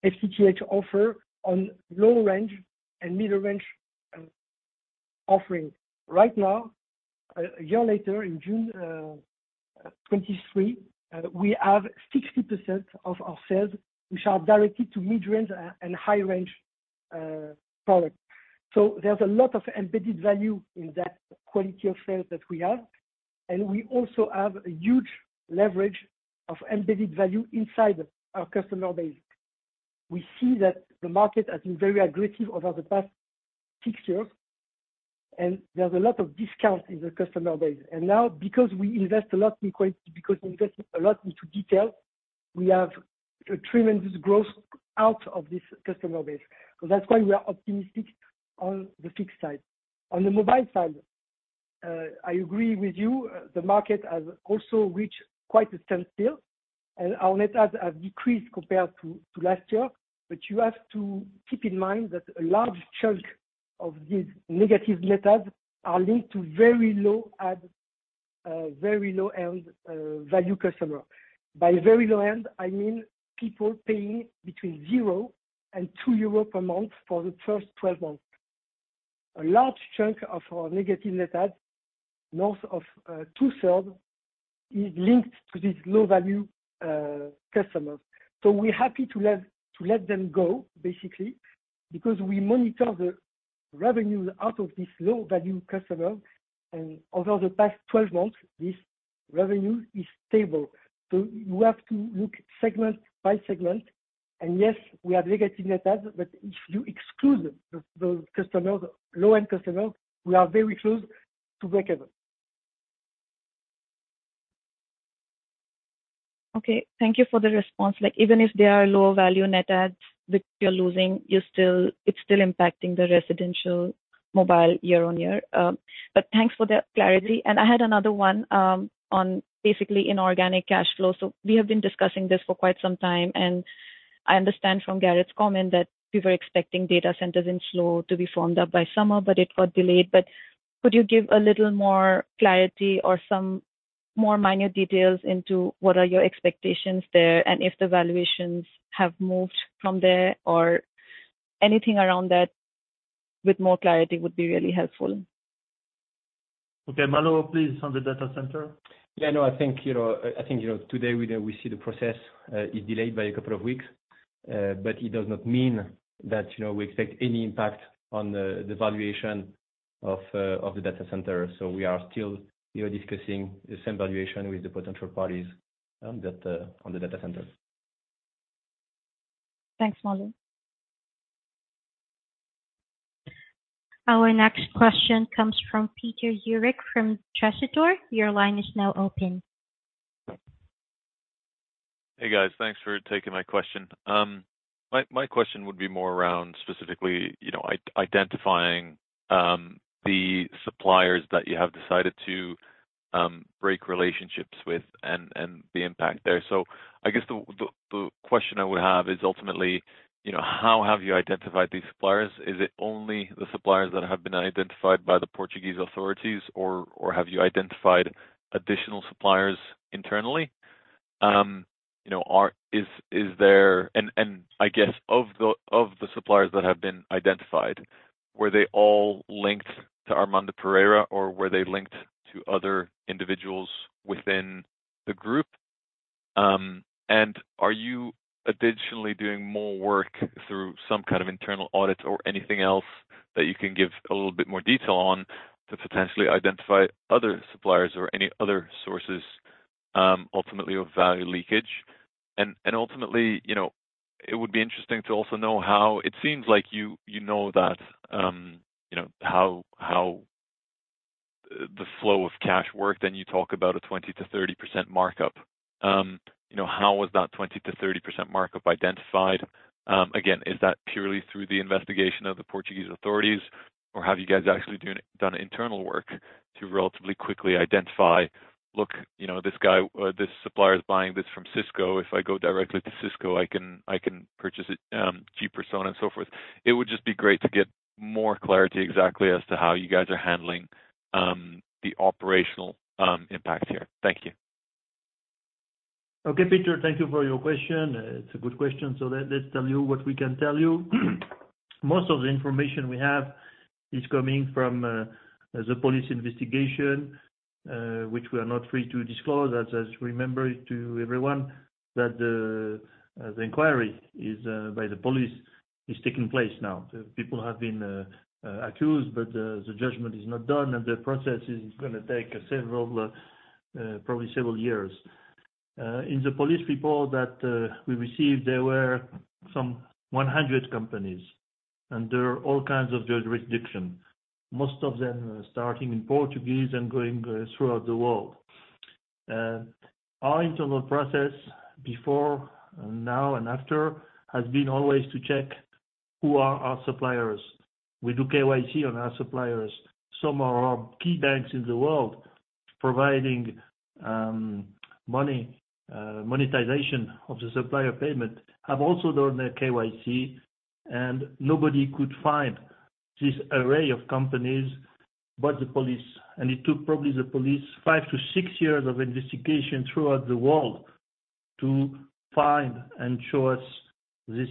FTTH offer on low range and middle range offering. Right now, a year later, in June 2023, we have 60% of our sales which are directed to mid-range and high-range products. There's a lot of embedded value in that quality of sales that we have, and we also have a huge leverage of embedded value inside our customer base. We see that the market has been very aggressive over the past 6 years, and there's a lot of discount in the customer base. Now, because we invest a lot in quality, because we invest a lot into detail-... we have a tremendous growth out of this customer base. That's why we are optimistic on the fixed side. On the mobile side, I agree with you. The market has also reached quite a standstill, and our net adds have decreased compared to, to last year. You have to keep in mind that a large chunk of these negative net adds are linked to very low add, very low-end, value customer. By very low-end, I mean people paying between 0 and 2 euro per month for the first 12 months. A large chunk of our negative net adds, north of, two-third, is linked to these low-value, customers. We're happy to let, to let them go, basically, because we monitor the revenue out of this low-value customer, and over the past 12 months, this revenue is stable. You have to look segment by segment. Yes, we have negative net adds, but if you exclude those customers, low-end customers, we are very close to breakeven. Okay, thank you for the response. Like, even if they are low-value net adds that you're losing, it's still impacting the residential mobile year-on-year. Thanks for that clarity. I had another one on basically inorganic cash flow. We have been discussing this for quite some time, and I understand from Gerrit's comment that we were expecting data centers in slow to be formed up by summer, it got delayed. Could you give a little more clarity or some more minute details into what are your expectations there? If the valuations have moved from there or anything around that with more clarity would be really helpful. Okay, Malo, please, on the data center. Yeah, I know. I think, you know, I think, you know, today we, we see the process is delayed by 2 weeks, but it does not mean that, you know, we expect any impact on the, the valuation of the data center. We are still, you know, discussing the same valuation with the potential parties on that, on the data center. Thanks, Malo. Our next question comes from Peter Jurik from Tresidor. Your line is now open. Hey, guys. Thanks for taking my question. My question would be more around specifically, you know, identifying the suppliers that you have decided to break relationships with and the impact there. I guess the question I would have is ultimately, you know, how have you identified these suppliers? Is it only the suppliers that have been identified by the Portuguese authorities, or have you identified additional suppliers internally? You know, is there... I guess of the suppliers that have been identified, were they all linked to Armando Pereira, or were they linked to other individuals within the group? And are you additionally doing more work through some kind of internal audit or anything else that you can give a little bit more detail on to potentially identify other suppliers or any other sources, ultimately of value leakage? And ultimately, you know, it would be interesting to also know how -- it seems like you, you know that, you know, how, how the flow of cash worked, and you talk about a 20%-30% markup. You know, how was that 20%-30% markup identified? Again, is that purely through the investigation of the Portuguese authorities, or have you guys actually done, done internal work to relatively quickly identify, look, you know, this guy, this supplier is buying this from Cisco. If I go directly to Cisco, I can, I can purchase it, cheaper so on and so forth. It would just be great to get more clarity exactly as to how you guys are handling, the operational, impact here. Thank you. Okay, Peter, thank you for your question. It's a good question, let's tell you what we can tell you. Most of the information we have is coming from the police investigation, which we are not free to disclose. Let's just remember it to everyone, that the inquiry is by the police is taking place now. People have been accused, the judgment is not done, the process is gonna take probably several years. In the police report that we received, there were some 100 companies, there are all kinds of jurisdiction, most of them starting in Portuguese and going throughout the world. Our internal process, before, now, and after, has been always to check who are our suppliers. We do KYC on our suppliers. Some are key banks in the world, providing money, monetization of the supplier payment, have also done a KYC, and nobody could find this array of companies, but the police. It took probably the police 5 to 6 years of investigation throughout the world to find and show us this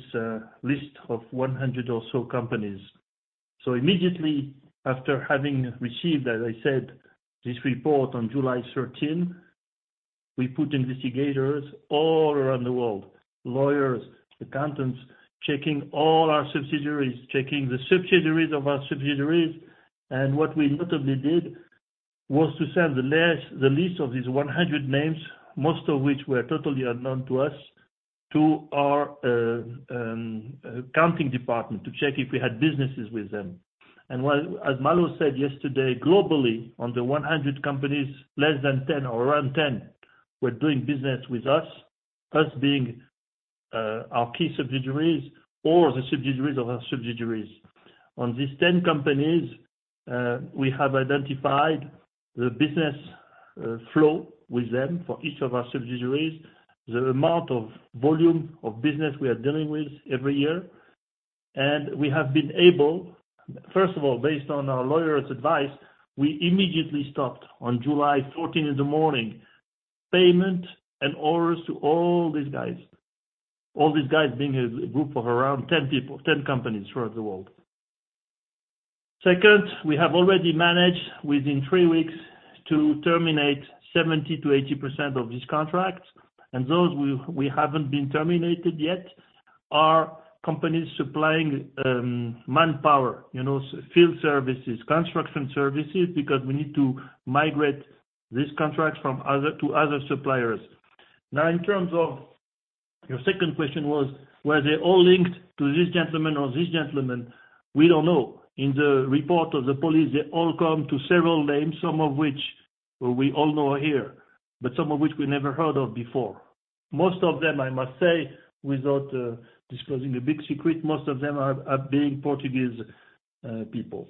list of 100 or so companies. Immediately after having received, as I said, this report on July 13, we put investigators all around the world, lawyers, accountants, checking all our subsidiaries, checking the subsidiaries of our subsidiaries. What we notably did was to send the last, the list of these 100 names, most of which were totally unknown to us, to our accounting department, to check if we had businesses with them. Well, as Malou said yesterday, globally, on the 100 companies, less than 10 or around 10 were doing business with us, us being, our key subsidiaries or the subsidiaries of our subsidiaries. On these 10 companies, we have identified the business flow with them for each of our subsidiaries, the amount of volume of business we are dealing with every year. We have been able, first of all, based on our lawyers' advice, we immediately stopped on July 14 in the morning, payment and orders to all these guys. All these guys being a group of around 10 people, 10 companies throughout the world. Second, we have already managed, within 3 weeks, to terminate 70%-80% of these contracts. Those we, we haven't been terminated yet, are companies supplying manpower, you know, field services, construction services, because we need to migrate these contracts to other suppliers. In terms of your second question was, were they all linked to this gentleman or this gentleman? We don't know. In the report of the police, they all come to several names, some of which we all know are here, but some of which we never heard of before. Most of them, I must say, without disclosing a big secret, most of them are being Portuguese people.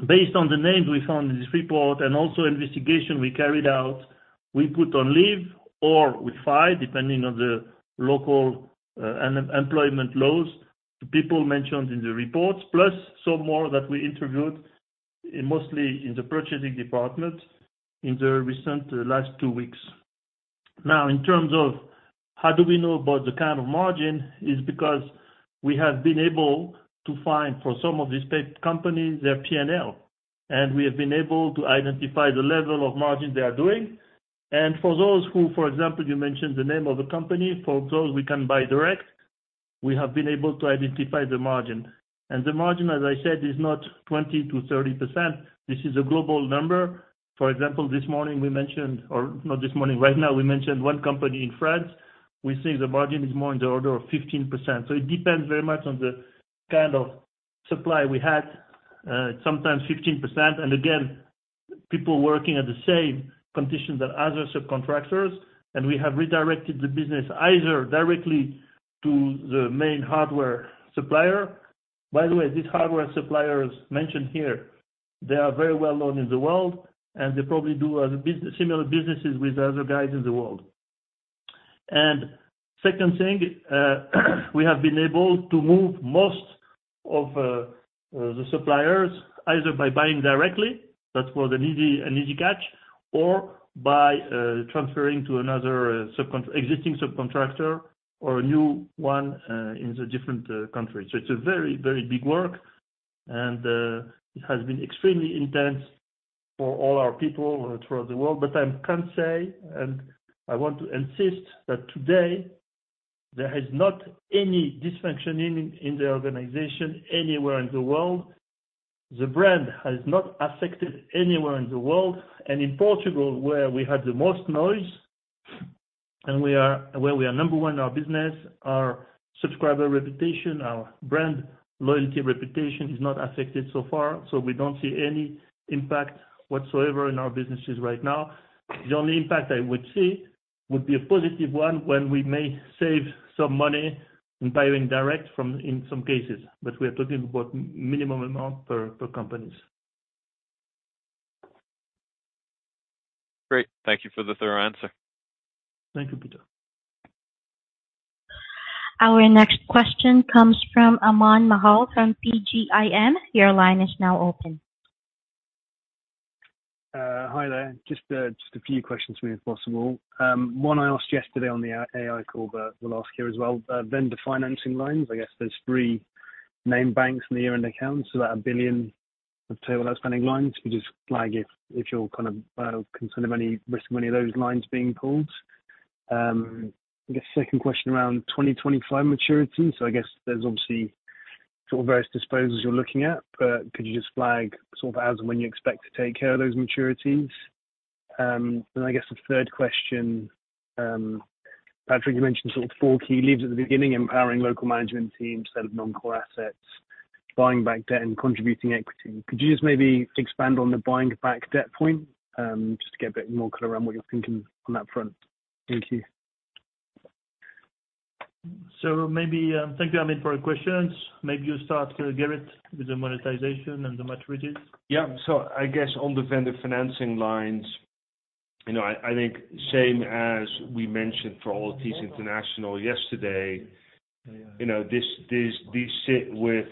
Based on the names we found in this report, and also investigation we carried out, we put on leave or we fire, depending on the local employment laws, the people mentioned in the reports, plus some more that we interviewed, mostly in the purchasing department, in the recent last 2 weeks. Now, in terms of how do we know about the kind of margin, is because we have been able to find, for some of these paid companies, their P&L, and we have been able to identify the level of margin they are doing. For those who, for example, you mentioned the name of the company, for those we can buy direct, we have been able to identify the margin. The margin, as I said, is not 20%-30%. This is a global number. For example, this morning, we mentioned, or not this morning, right now, we mentioned one company in France. We think the margin is more in the order of 15%. It depends very much on the kind of supply we had, sometimes 15%, and again, people working at the same conditions that other subcontractors, and we have redirected the business either directly to the main hardware supplier. By the way, this hardware supplier is mentioned here. They are very well known in the world, and they probably do other similar businesses with other guys in the world. Second thing, we have been able to move most of the suppliers, either by buying directly, that's for the easy, an easy catch, or by transferring to another, existing subcontractor or a new one, in the different countries. It's a very, very big work, and it has been extremely intense for all our people throughout the world. I can say, and I want to insist, that today, there is not any dysfunction in the organization, anywhere in the world. The brand has not affected anywhere in the world, and in Portugal, where we had the most noise, and where we are number one in our business, our subscriber reputation, our brand loyalty reputation is not affected so far, so we don't see any impact whatsoever in our businesses right now. The only impact I would see, would be a positive one, when we may save some money in buying direct from, in some cases, but we are talking about minimum amount per, per companies. Great. Thank you for the thorough answer. Thank you, Peter. Our next question comes from Aman Mahal, from PGIM. Your line is now open. Hi there, just a few questions for me, if possible. One I asked yesterday on the AI call, will ask here as well. Vendor financing lines, I guess there's 3 main banks in the year-end account, about 1 billion of table outstanding lines. Could you just flag if you're concerned of any risk, of any of those lines being pulled? I guess, second question around 2025 maturity. I guess there's obviously various disposals you're looking at, could you just flag as when you expect to take care of those maturities? I guess the third question, Patrick, you mentioned 4 key leads at the beginning, empowering local management teams, sell non-core assets, buying back debt and contributing equity. Could you just maybe expand on the buying back debt point, just to get a bit more clear on what you're thinking on that front? Thank you. Maybe, thank you, Aman, for your questions. Maybe you start, Gerrit, with the monetization and the maturities. Yeah. I guess on the vendor financing lines, you know, I, I think same as we mentioned for all of these international yesterday, you know, this, this, we sit with,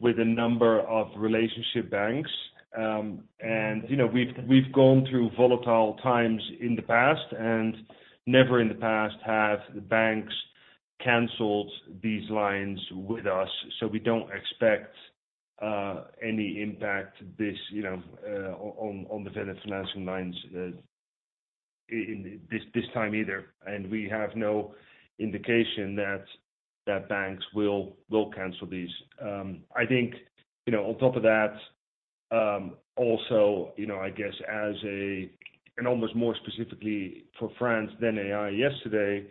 with a number of relationship banks. And, you know, we've, we've gone through volatile times in the past, and never in the past have the banks canceled these lines with us. We don't expect any impact this, you know, on, on the vendor financing lines, in, this, this time either. And we have no indication that, that banks will, will cancel these. I think, you know, on top of that. Also, you know, I guess, as a, and almost more specifically for France than AI yesterday, you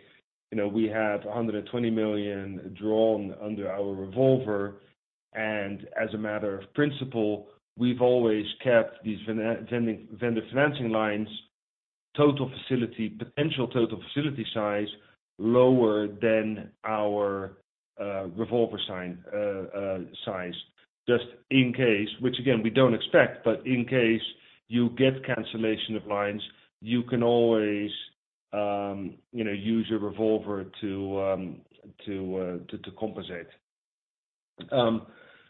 know, we have 120 million drawn under our revolver. As a matter of principle, we've always kept these vending, vendor financing lines, total facility, potential total facility size, lower than our revolver sign, size. Just in case, which again, we don't expect, but in case you get cancellation of lines, you can always, you know, use your revolver to compensate.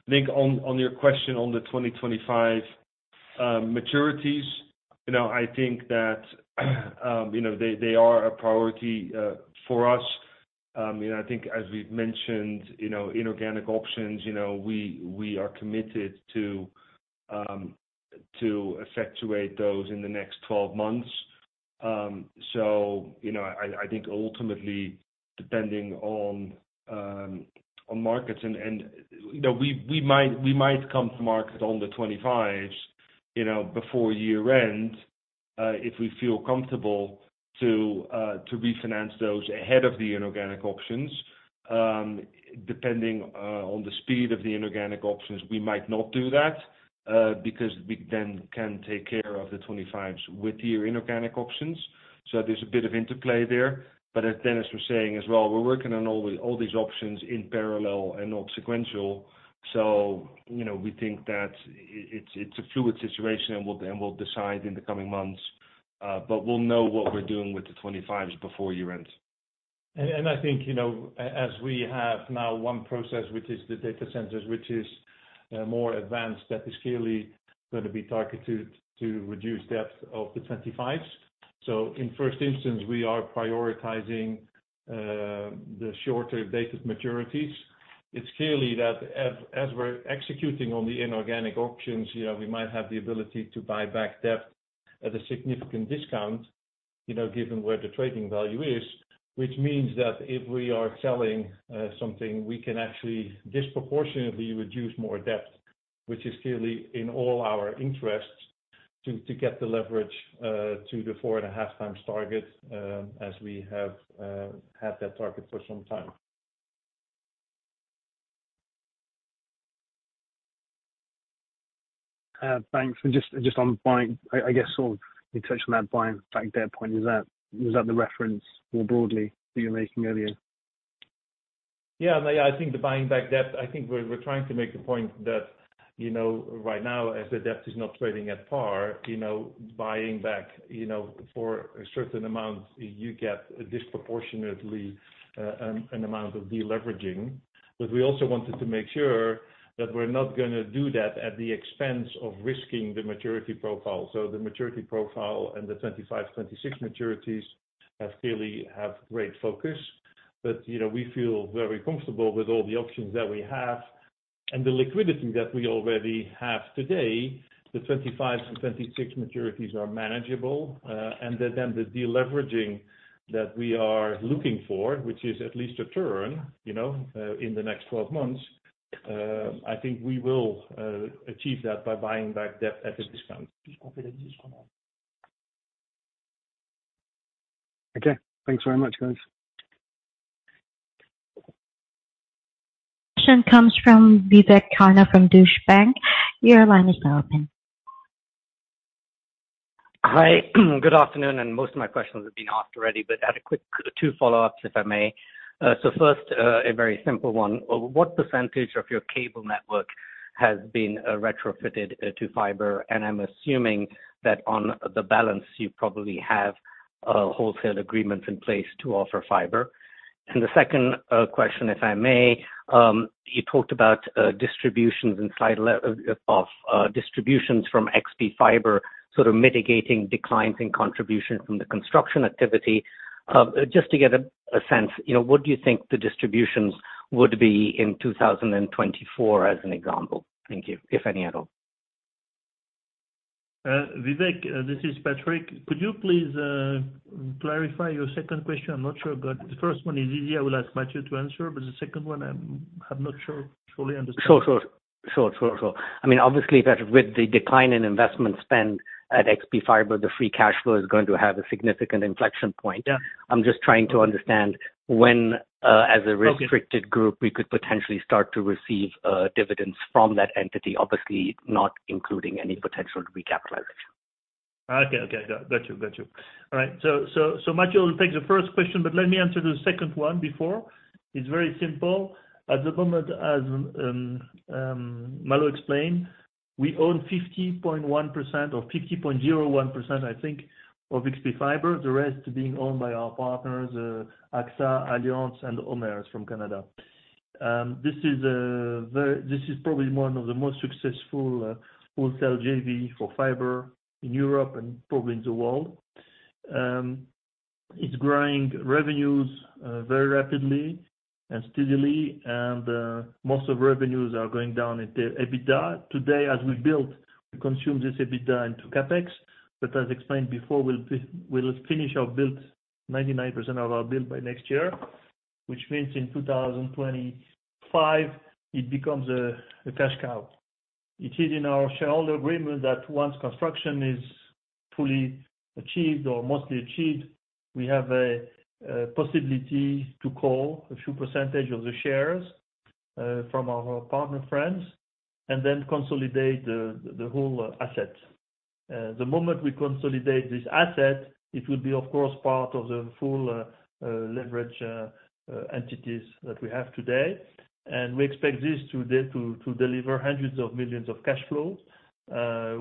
Nick, on your question on the 2025 maturities, you know, I think that, you know, they are a priority for us. You know, I think as we've mentioned, you know, inorganic options, you know, we are committed to effectuate those in the next 12 months. You know, I, I think ultimately, depending on markets and, and, you know, we, we might, we might come to market on the 25s, you know, before year-end, if we feel comfortable to refinance those ahead of the inorganic options. Depending on the speed of the inorganic options, we might not do that, because we then can take care of the 25s with your inorganic options. There's a bit of interplay there. As Dennis was saying as well, we're working on all the, all these options in parallel and not sequential. You know, we think that it's, it's a fluid situation, and we'll, and we'll decide in the coming months, but we'll know what we're doing with the 25s before year-end. I think, you know, as we have now one process, which is the data centers, which is more advanced, that is clearly gonna be targeted to reduce debt of the 25s. In first instance, we are prioritizing the shorter dated maturities. It's clearly that as, as we're executing on the inorganic options, you know, we might have the ability to buy back debt at a significant discount, you know, given where the trading value is. Means that if we are selling something, we can actually disproportionately reduce more debt, which is clearly in all our interests, to get the leverage to the 4.5 times target, as we have had that target for some time. Thanks. Just, just on buying, I, I guess, sort of you touched on that buying back debt point. Is that, is that the reference more broadly that you were making earlier? Yeah, I, I think the buying back debt, I think we're, we're trying to make the point that, you know, right now, as the debt is not trading at par, you know, buying back, you know, for a certain amount, you get a disproportionately an amount of deleveraging. But we also wanted to make sure that we're not gonna do that at the expense of risking the maturity profile. So the maturity profile and the 25, 26 maturities clearly have great focus. you know, we feel very comfortable with all the options that we have and the liquidity that we already have today, the 25 and 26 maturities are manageable, and then, then the deleveraging that we are looking for, which is at least a turn, you know, in the next 12 months, I think we will achieve that by buying back debt at a discount. Okay. Thanks very much, guys. Question comes from Vivek Khanna from Deutsche Bank. Your line is now open. Hi. Good afternoon, most of my questions have been asked already, but I had a quick 2 follow-ups, if I may? First, a very simple one. What percentage of your cable network has been retrofitted to fiber? I'm assuming that on the balance, you probably have wholesale agreements in place to offer fiber. The second question, if I may, you talked about distributions and slide of distributions from XpFibre, sort of mitigating declines in contribution from the construction activity. Just to get a sense, you know, what do you think the distributions would be in 2024, as an example? Thank you. If any, at all? Vivek, this is Patrick. Could you please clarify your second question? I'm not sure I got... The first one is easy. I will ask Mathieu to answer, but the second one, I'm not sure fully understood. Sure, sure. Sure, sure, sure. I mean, obviously, Patrick, with the decline in investment spend at XpFibre, the free cash flow is going to have a significant inflection point. Yeah. I'm just trying to understand when, as a- Okay... restricted group, we could potentially start to receive dividends from that entity, obviously, not including any potential recapitalization. Okay, okay. Got you. Got you. Mathieu will take the first question, let me answer the second one before. It's very simple. At the moment, as Malo explained, we own 50.1% or 50.01%, I think, of XpFibre, the rest being owned by our partners, AXA, Allianz, and OMERS from Canada. This is probably one of the most successful wholesale JV for fiber in Europe and probably in the world. It's growing revenues very rapidly and steadily, most of revenues are going down into EBITDA. Today, as we build, we consume this EBITDA into CapEx, as explained before, we'll finish our build, 99% of our build by next year.... which means in 2025, it becomes a cash cow. It is in our shareholder agreement that once construction is fully achieved or mostly achieved, we have a possibility to call a few percentage of the shares from our partner friends, and then consolidate the whole asset. The moment we consolidate this asset, it will be, of course, part of the full leverage entities that we have today. We expect this to then to, to deliver hundreds of millions of cash flows,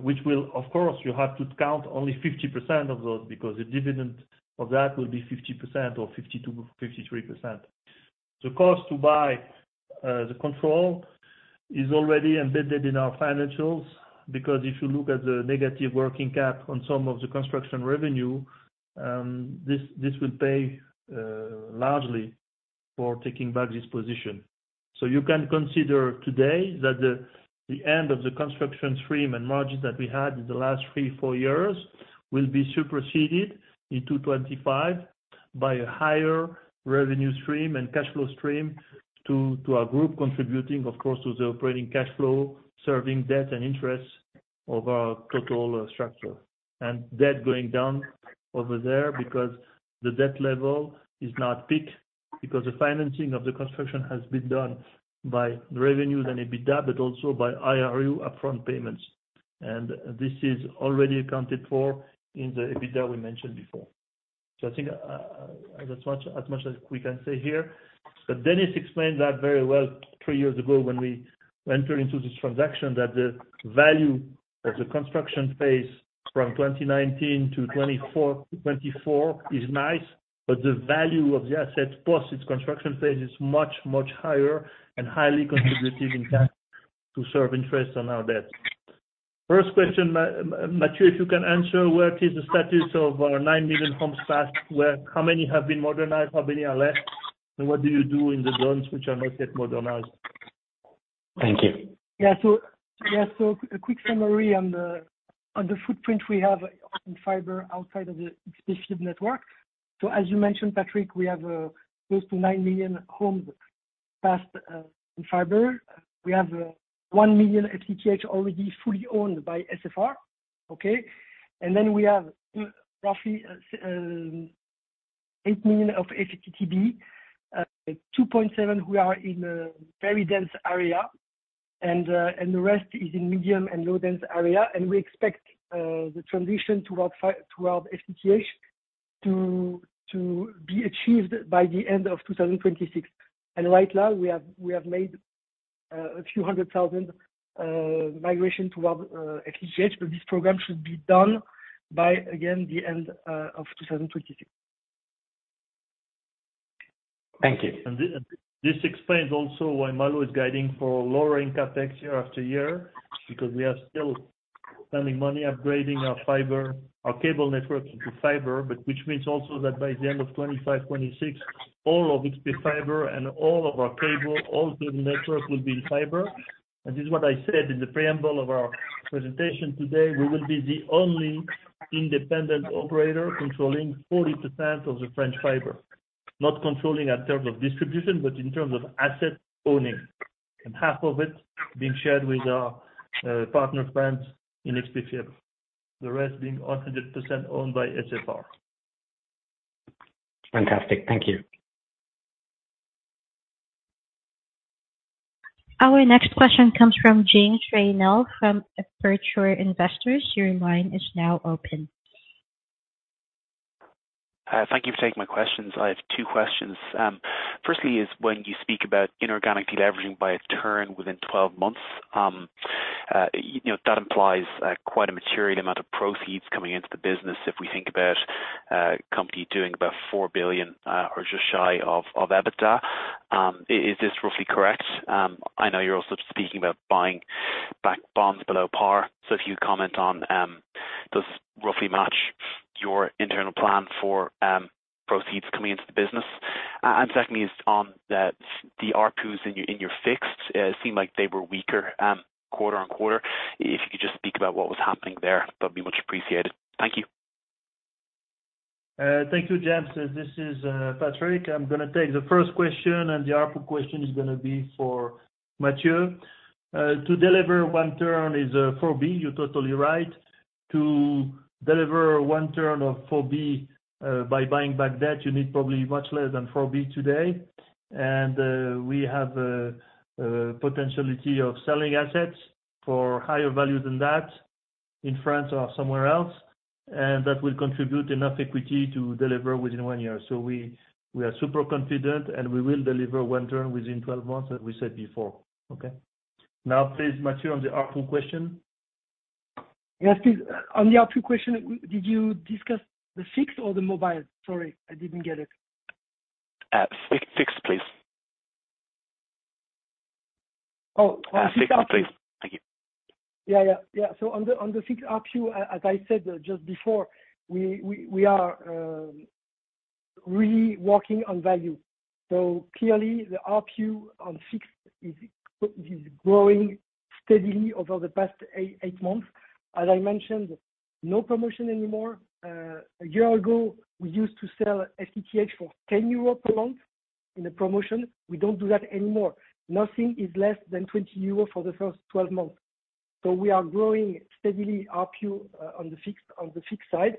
which will, of course, you have to count only 50% of those, because the dividend of that will be 50% or 50%-53%. The cost to buy the control is already embedded in our financials, because if you look at the negative working cap on some of the construction revenue, this, this will pay largely for taking back this position. You can consider today that the end of the construction stream and margins that we had in the last 3, 4 years, will be superseded in 2025 by a higher revenue stream and cash flow stream to our group, contributing, of course, to the operating cash flow, serving debt and interest of our total structure. Debt going down over there because the debt level is now at peak, because the financing of the construction has been done by the revenues and EBITDA, but also by IRU upfront payments. This is already accounted for in the EBITDA we mentioned before. I think that's much, as much as we can say here. Dennis explained that very well 3 years ago when we entered into this transaction, that the value of the construction phase from 2019 to 2024 is nice, but the value of the asset plus its construction phase is much, much higher and highly contributive in cash to serve interest on our debt. First question, Mathieu, if you can answer, where is the status of our 9 million homes passed? How many have been modernized, how many are left, and what do you do in the zones which are not yet modernized? Thank you. Yeah. A quick summary on the footprint we have in fiber outside of the specific network. As you mentioned, Patrick, we have close to 9 million homes passed in fiber. We have 1 million FTTH already fully owned by SFR, okay. Then we have roughly 8 million of FTTB, 2.7, we are in a very dense area, and the rest is in medium and low dense area. We expect the transition toward FTTH to be achieved by the end of 2026. Right now, we have made a few hundred thousand migration toward FTTH, but this program should be done by, again, the end of 2026. Thank you. This, this explains also why Malo is guiding for lowering CapEx year after year, because we are still spending money upgrading our fiber, our cable networks into fiber, but which means also that by the end of 2025, 2026, all of XpFibre and all of our cable, all the network will be fiber. This is what I said in the preamble of our presentation today, we will be the only independent operator controlling 40% of the French fiber. Not controlling in terms of distribution, but in terms of asset owning, and half of it being shared with our partner friends in XpFibre, the rest being 100% owned by SFR. Fantastic. Thank you. Our next question comes from James Traynor, from Aperture Investors. Your line is now open. Thank you for taking my questions. I have 2 questions. Firstly is, when you speak about inorganically leveraging by 1 turn within 12 months, you know, that implies quite a material amount of proceeds coming into the business if we think about company doing about 4 billion or just shy of EBITDA. Is this roughly correct? I know you're also speaking about buying back bonds below par. If you comment on, does this roughly match your internal plan for proceeds coming into the business? Secondly, is on the ARPUs in your fixed, it seemed like they were weaker quarter-on-quarter. If you could just speak about what was happening there, that'd be much appreciated. Thank you. Thank you, James. This is Patrick. I'm going to take the first question, and the ARPU question is going to be for Mathieu. To deliver 1 turn is 4 billion, you're totally right. To deliver 1 turn of 4 billion, by buying back debt, you need probably much less than 4 billion today. We have a potentiality of selling assets for higher value than that in France or somewhere else, and that will contribute enough equity to deliver within 1 year. We are super confident, and we will deliver 1 turn within 12 months, as we said before. Okay. Now, please, Mathieu, on the ARPU question. Yes, please. On the ARPU question, did you discuss the fixed or the mobile? Sorry, I didn't get it. Fixed, please. Oh. Fixed, please. Thank you. On the fixed ARPU, as I said just before, we are really working on value. Clearly, the ARPU on fixed is growing steadily over the past 8 months. As I mentioned, no promotion anymore. A year ago, we used to sell FTTH for 10 euro per month in a promotion. We don't do that anymore. Nothing is less than 20 euro for the first 12 months. We are growing steadily ARPU on the fixed side.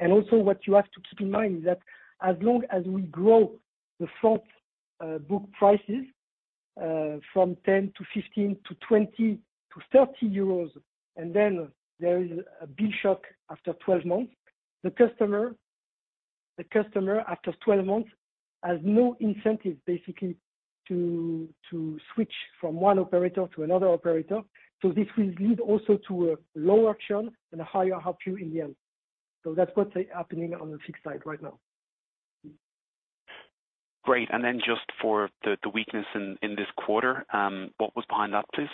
Also what you have to keep in mind is that as long as we grow the front book prices from 10 to 15 to 20 to 30 euros, and then there is a bill shock after 12 months, the customer, the customer after 12 months has no incentive basically to switch from one operator to another operator. This will lead also to a lower churn and a higher ARPU in the end. That's what's happening on the fixed side right now. Great. Just for the, the weakness in, in this quarter, what was behind that, please?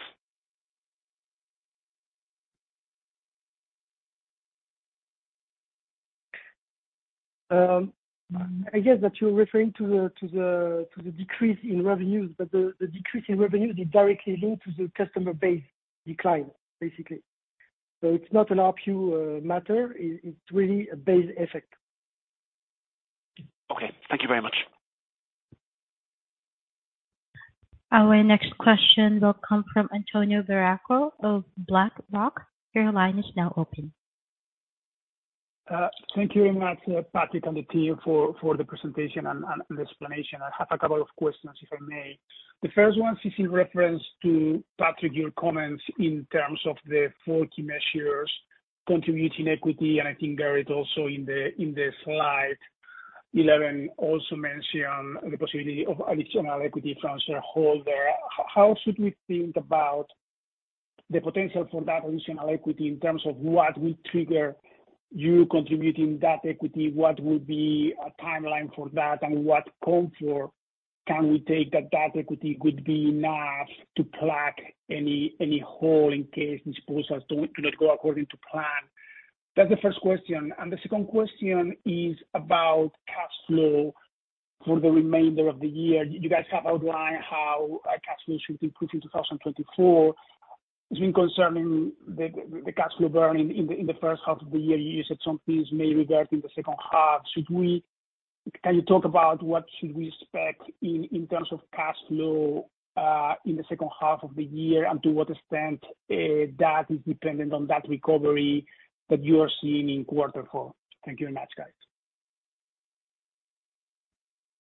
I guess that you're referring to the, to the, to the decrease in revenues, the, the decrease in revenues is directly linked to the customer base decline, basically. It's not an ARPU matter. It, it's really a base effect. Okay. Thank you very much. Our next question will come from Antonio Barraco of BlackRock. Your line is now open. Thank you very much, Patrick and the team for the presentation and the explanation. I have a couple of questions, if I may. The first one is in reference to, Patrick, your comments in terms of the four key measures, contributing equity, and I think Gerrit also in the slide 11, also mentioned the possibility of additional equity from shareholder. How should we think about the potential for that additional equity in terms of what will trigger you contributing that equity? What will be a timeline for that? What comfort can we take that that equity would be enough to plug any hole in case disposals do not go according to plan? That's the first question. The second question is about cash flow for the remainder of the year. You guys have outlined how cash flow should improve in 2024. Between concerning the, the cash flow burning in the, in the first half of the year, you said some things may revert in the second half. Can you talk about what should we expect in, in terms of cash flow in the second half of the year, and to what extent that is dependent on that recovery that you are seeing in Q4? Thank you very much, guys.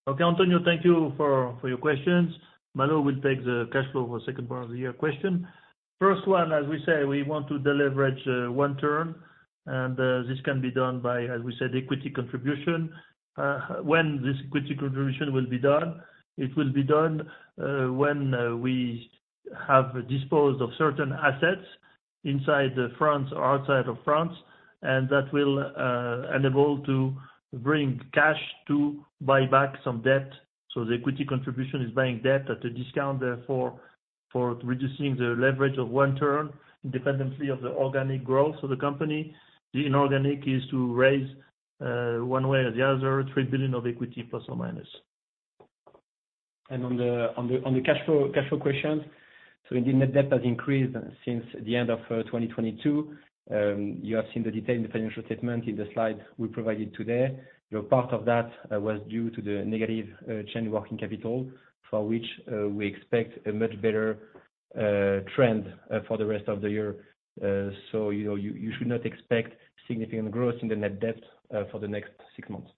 Okay, Antonio, thank you for, for your questions. Malo will take the cash flow for the second part of the year question. First one, as we said, we want to deleverage, 1 turn, and this can be done by, as we said, equity contribution. When this equity contribution will be done, it will be done, when, we have disposed of certain assets inside France or outside of France, and that will, enable to bring cash to buy back some debt. The equity contribution is buying debt at a discount, therefore, for reducing the leverage of 1 turn independently of the organic growth of the company. The inorganic is to raise, one way or the other, 3 billion of equity, plus or minus. On the, on the, on the cash flow, cash flow question, so indeed, net debt has increased since the end of 2022. You have seen the detailed financial statement in the slides we provided today. You know, part of that was due to the negative change working capital, for which we expect a much better trend for the rest of the year. So, you know, you, you should not expect significant growth in the net debt for the next six months.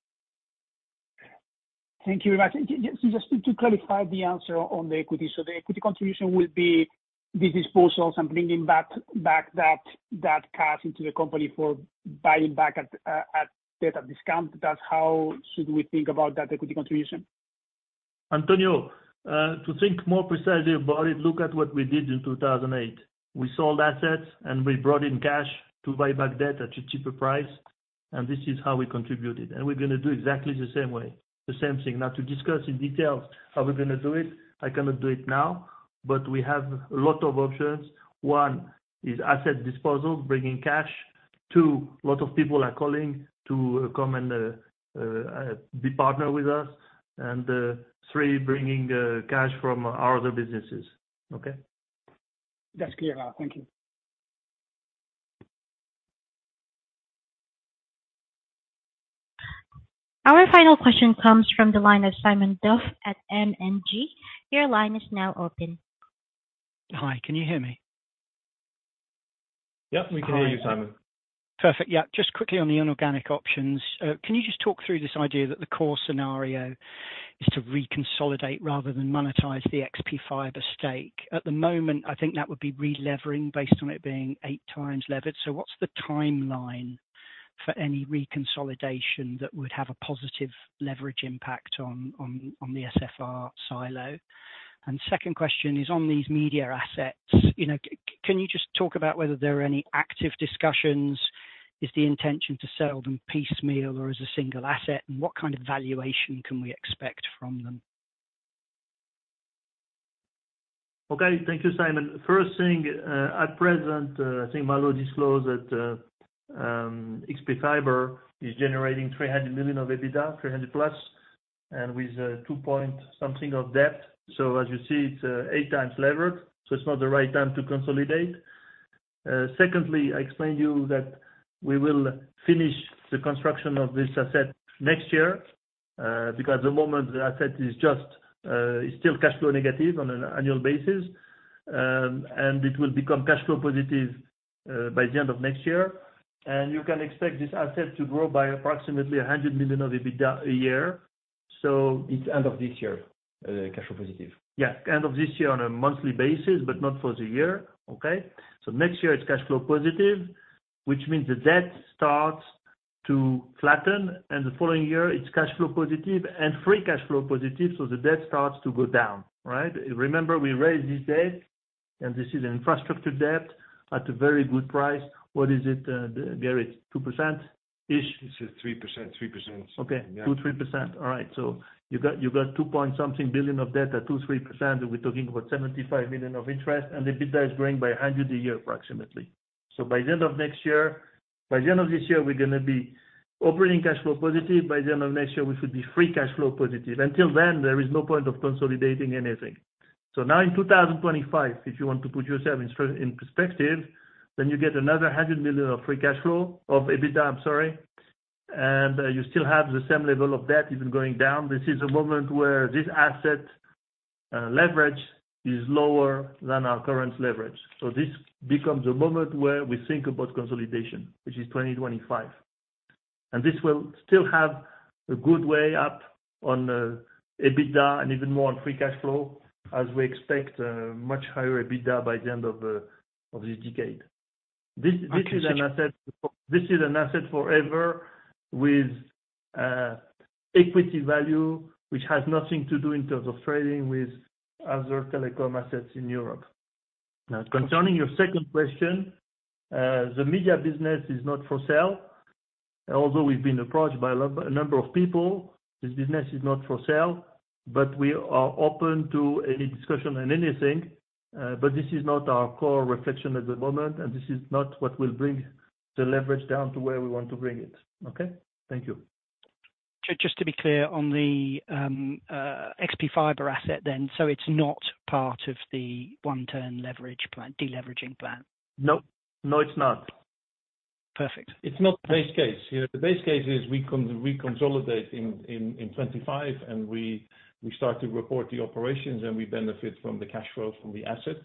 Thank you very much. Just to clarify the answer on the equity. The equity contribution will be the disposals and bringing back that cash into the company for buying at debt of discount. That's how should we think about that equity contribution? Antonio, to think more precisely about it, look at what we did in 2008. We sold assets, and we brought in cash to buy back debt at a cheaper price, and this is how we contributed, and we're gonna do exactly the same way, the same thing. Now, to discuss in details how we're gonna do it, I cannot do it now, but we have a lot of options. One, is asset disposal, bringing cash. Two, a lot of people are calling to come and be partner with us. Three, bringing cash from our other businesses. Okay? That's clear. Thank you. Our final question comes from the line of Simon Duff at M&G. Your line is now open. Hi, can you hear me? Yep, we can hear you, Simon. Perfect. Yeah, just quickly on the inorganic options, can you just talk through this idea that the core scenario is to reconsolidate rather than monetize the XpFibre stake? At the moment, I think that would be relevering based on it being 8 times levered. So what's the timeline for any reconsolidation that would have a positive leverage impact on the SFR silo? Second question is on these media assets. You know, can you just talk about whether there are any active discussions? Is the intention to sell them piecemeal or as a single asset, and what kind of valuation can we expect from them? Okay. Thank you, Simon. First thing, at present, I think Malo disclosed that XpFibre is generating 300 million of EBITDA, 300+ and with EUR 2.something of debt. As you see, it's 8x levered, so it's not the right time to consolidate. Secondly, I explained to you that we will finish the construction of this asset next year, because the moment the asset is just is still cash flow negative on an annual basis. It will become cash flow positive by the end of next year. You can expect this asset to grow by approximately 100 million of EBITDA a year. It's end of this year, cash flow positive. Yeah, end of this year on a monthly basis, not for the year. Okay? Next year, it's cash flow positive, which means the debt starts to flatten, and the following year, it's cash flow positive and free cash flow positive, so the debt starts to go down, right? Remember, we raised this debt, and this is infrastructure debt at a very good price. What is it, Gerrit? 2%-ish. It's, 3%, 3%. Okay. Yeah. 2%-3%. All right, you got EUR 2.something billion of debt at 2%-3%. We're talking about 75 million of interest, and the EBITDA is growing by 100 a year, approximately. By the end of next year, by the end of this year, we're gonna be operating cash flow positive. By the end of next year, we should be free cash flow positive. Until then, there is no point of consolidating anything. Now in 2025, if you want to put yourself in perspective, then you get another 100 million of free cash flow, of EBITDA, I'm sorry. You still have the same level of debt even going down. This is a moment where this asset leverage is lower than our current leverage. This becomes a moment where we think about consolidation, which is 2025. This will still have a good way up on EBITDA and even more on free cash flow, as we expect much higher EBITDA by the end of this decade. This is an asset forever with equity value, which has nothing to do in terms of trading with other telecom assets in Europe. Concerning your second question, the media business is not for sale. Although we've been approached by a number of people, this business is not for sale. We are open to any discussion on anything, but this is not our core reflection at the moment, and this is not what will bring the leverage down to where we want to bring it. Okay? Thank you. Just to be clear on the XpFibre asset then, so it's not part of the one-term leverage plan, deleveraging plan? Nope. No, it's not. Perfect. It's not base case. Yeah, the base case is we consolidate in 2025, and we start to report the operations, and we benefit from the cash flow from the assets.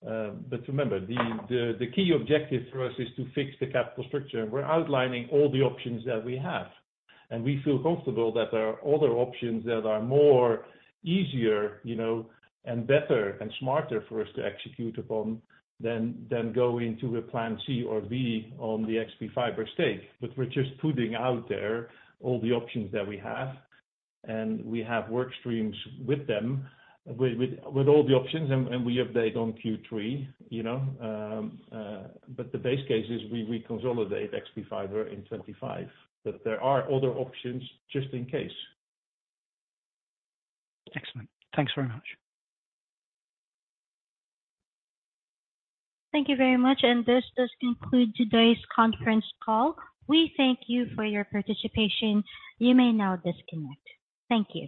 But remember, the key objective for us is to fix the capital structure, and we're outlining all the options that we have. And we feel comfortable that there are other options that are more easier, you know, and better and smarter for us to execute upon than go into a plan C or B on the XpFibre stake. But we're just putting out there all the options that we have, and we have work streams with all the options, and we update on Q3, you know. But the base case is we reconsolidate XpFibre in 2025. There are other options just in case. Excellent. Thanks very much. Thank you very much, and this does conclude today's conference call. We thank you for your participation. You may now disconnect. Thank you.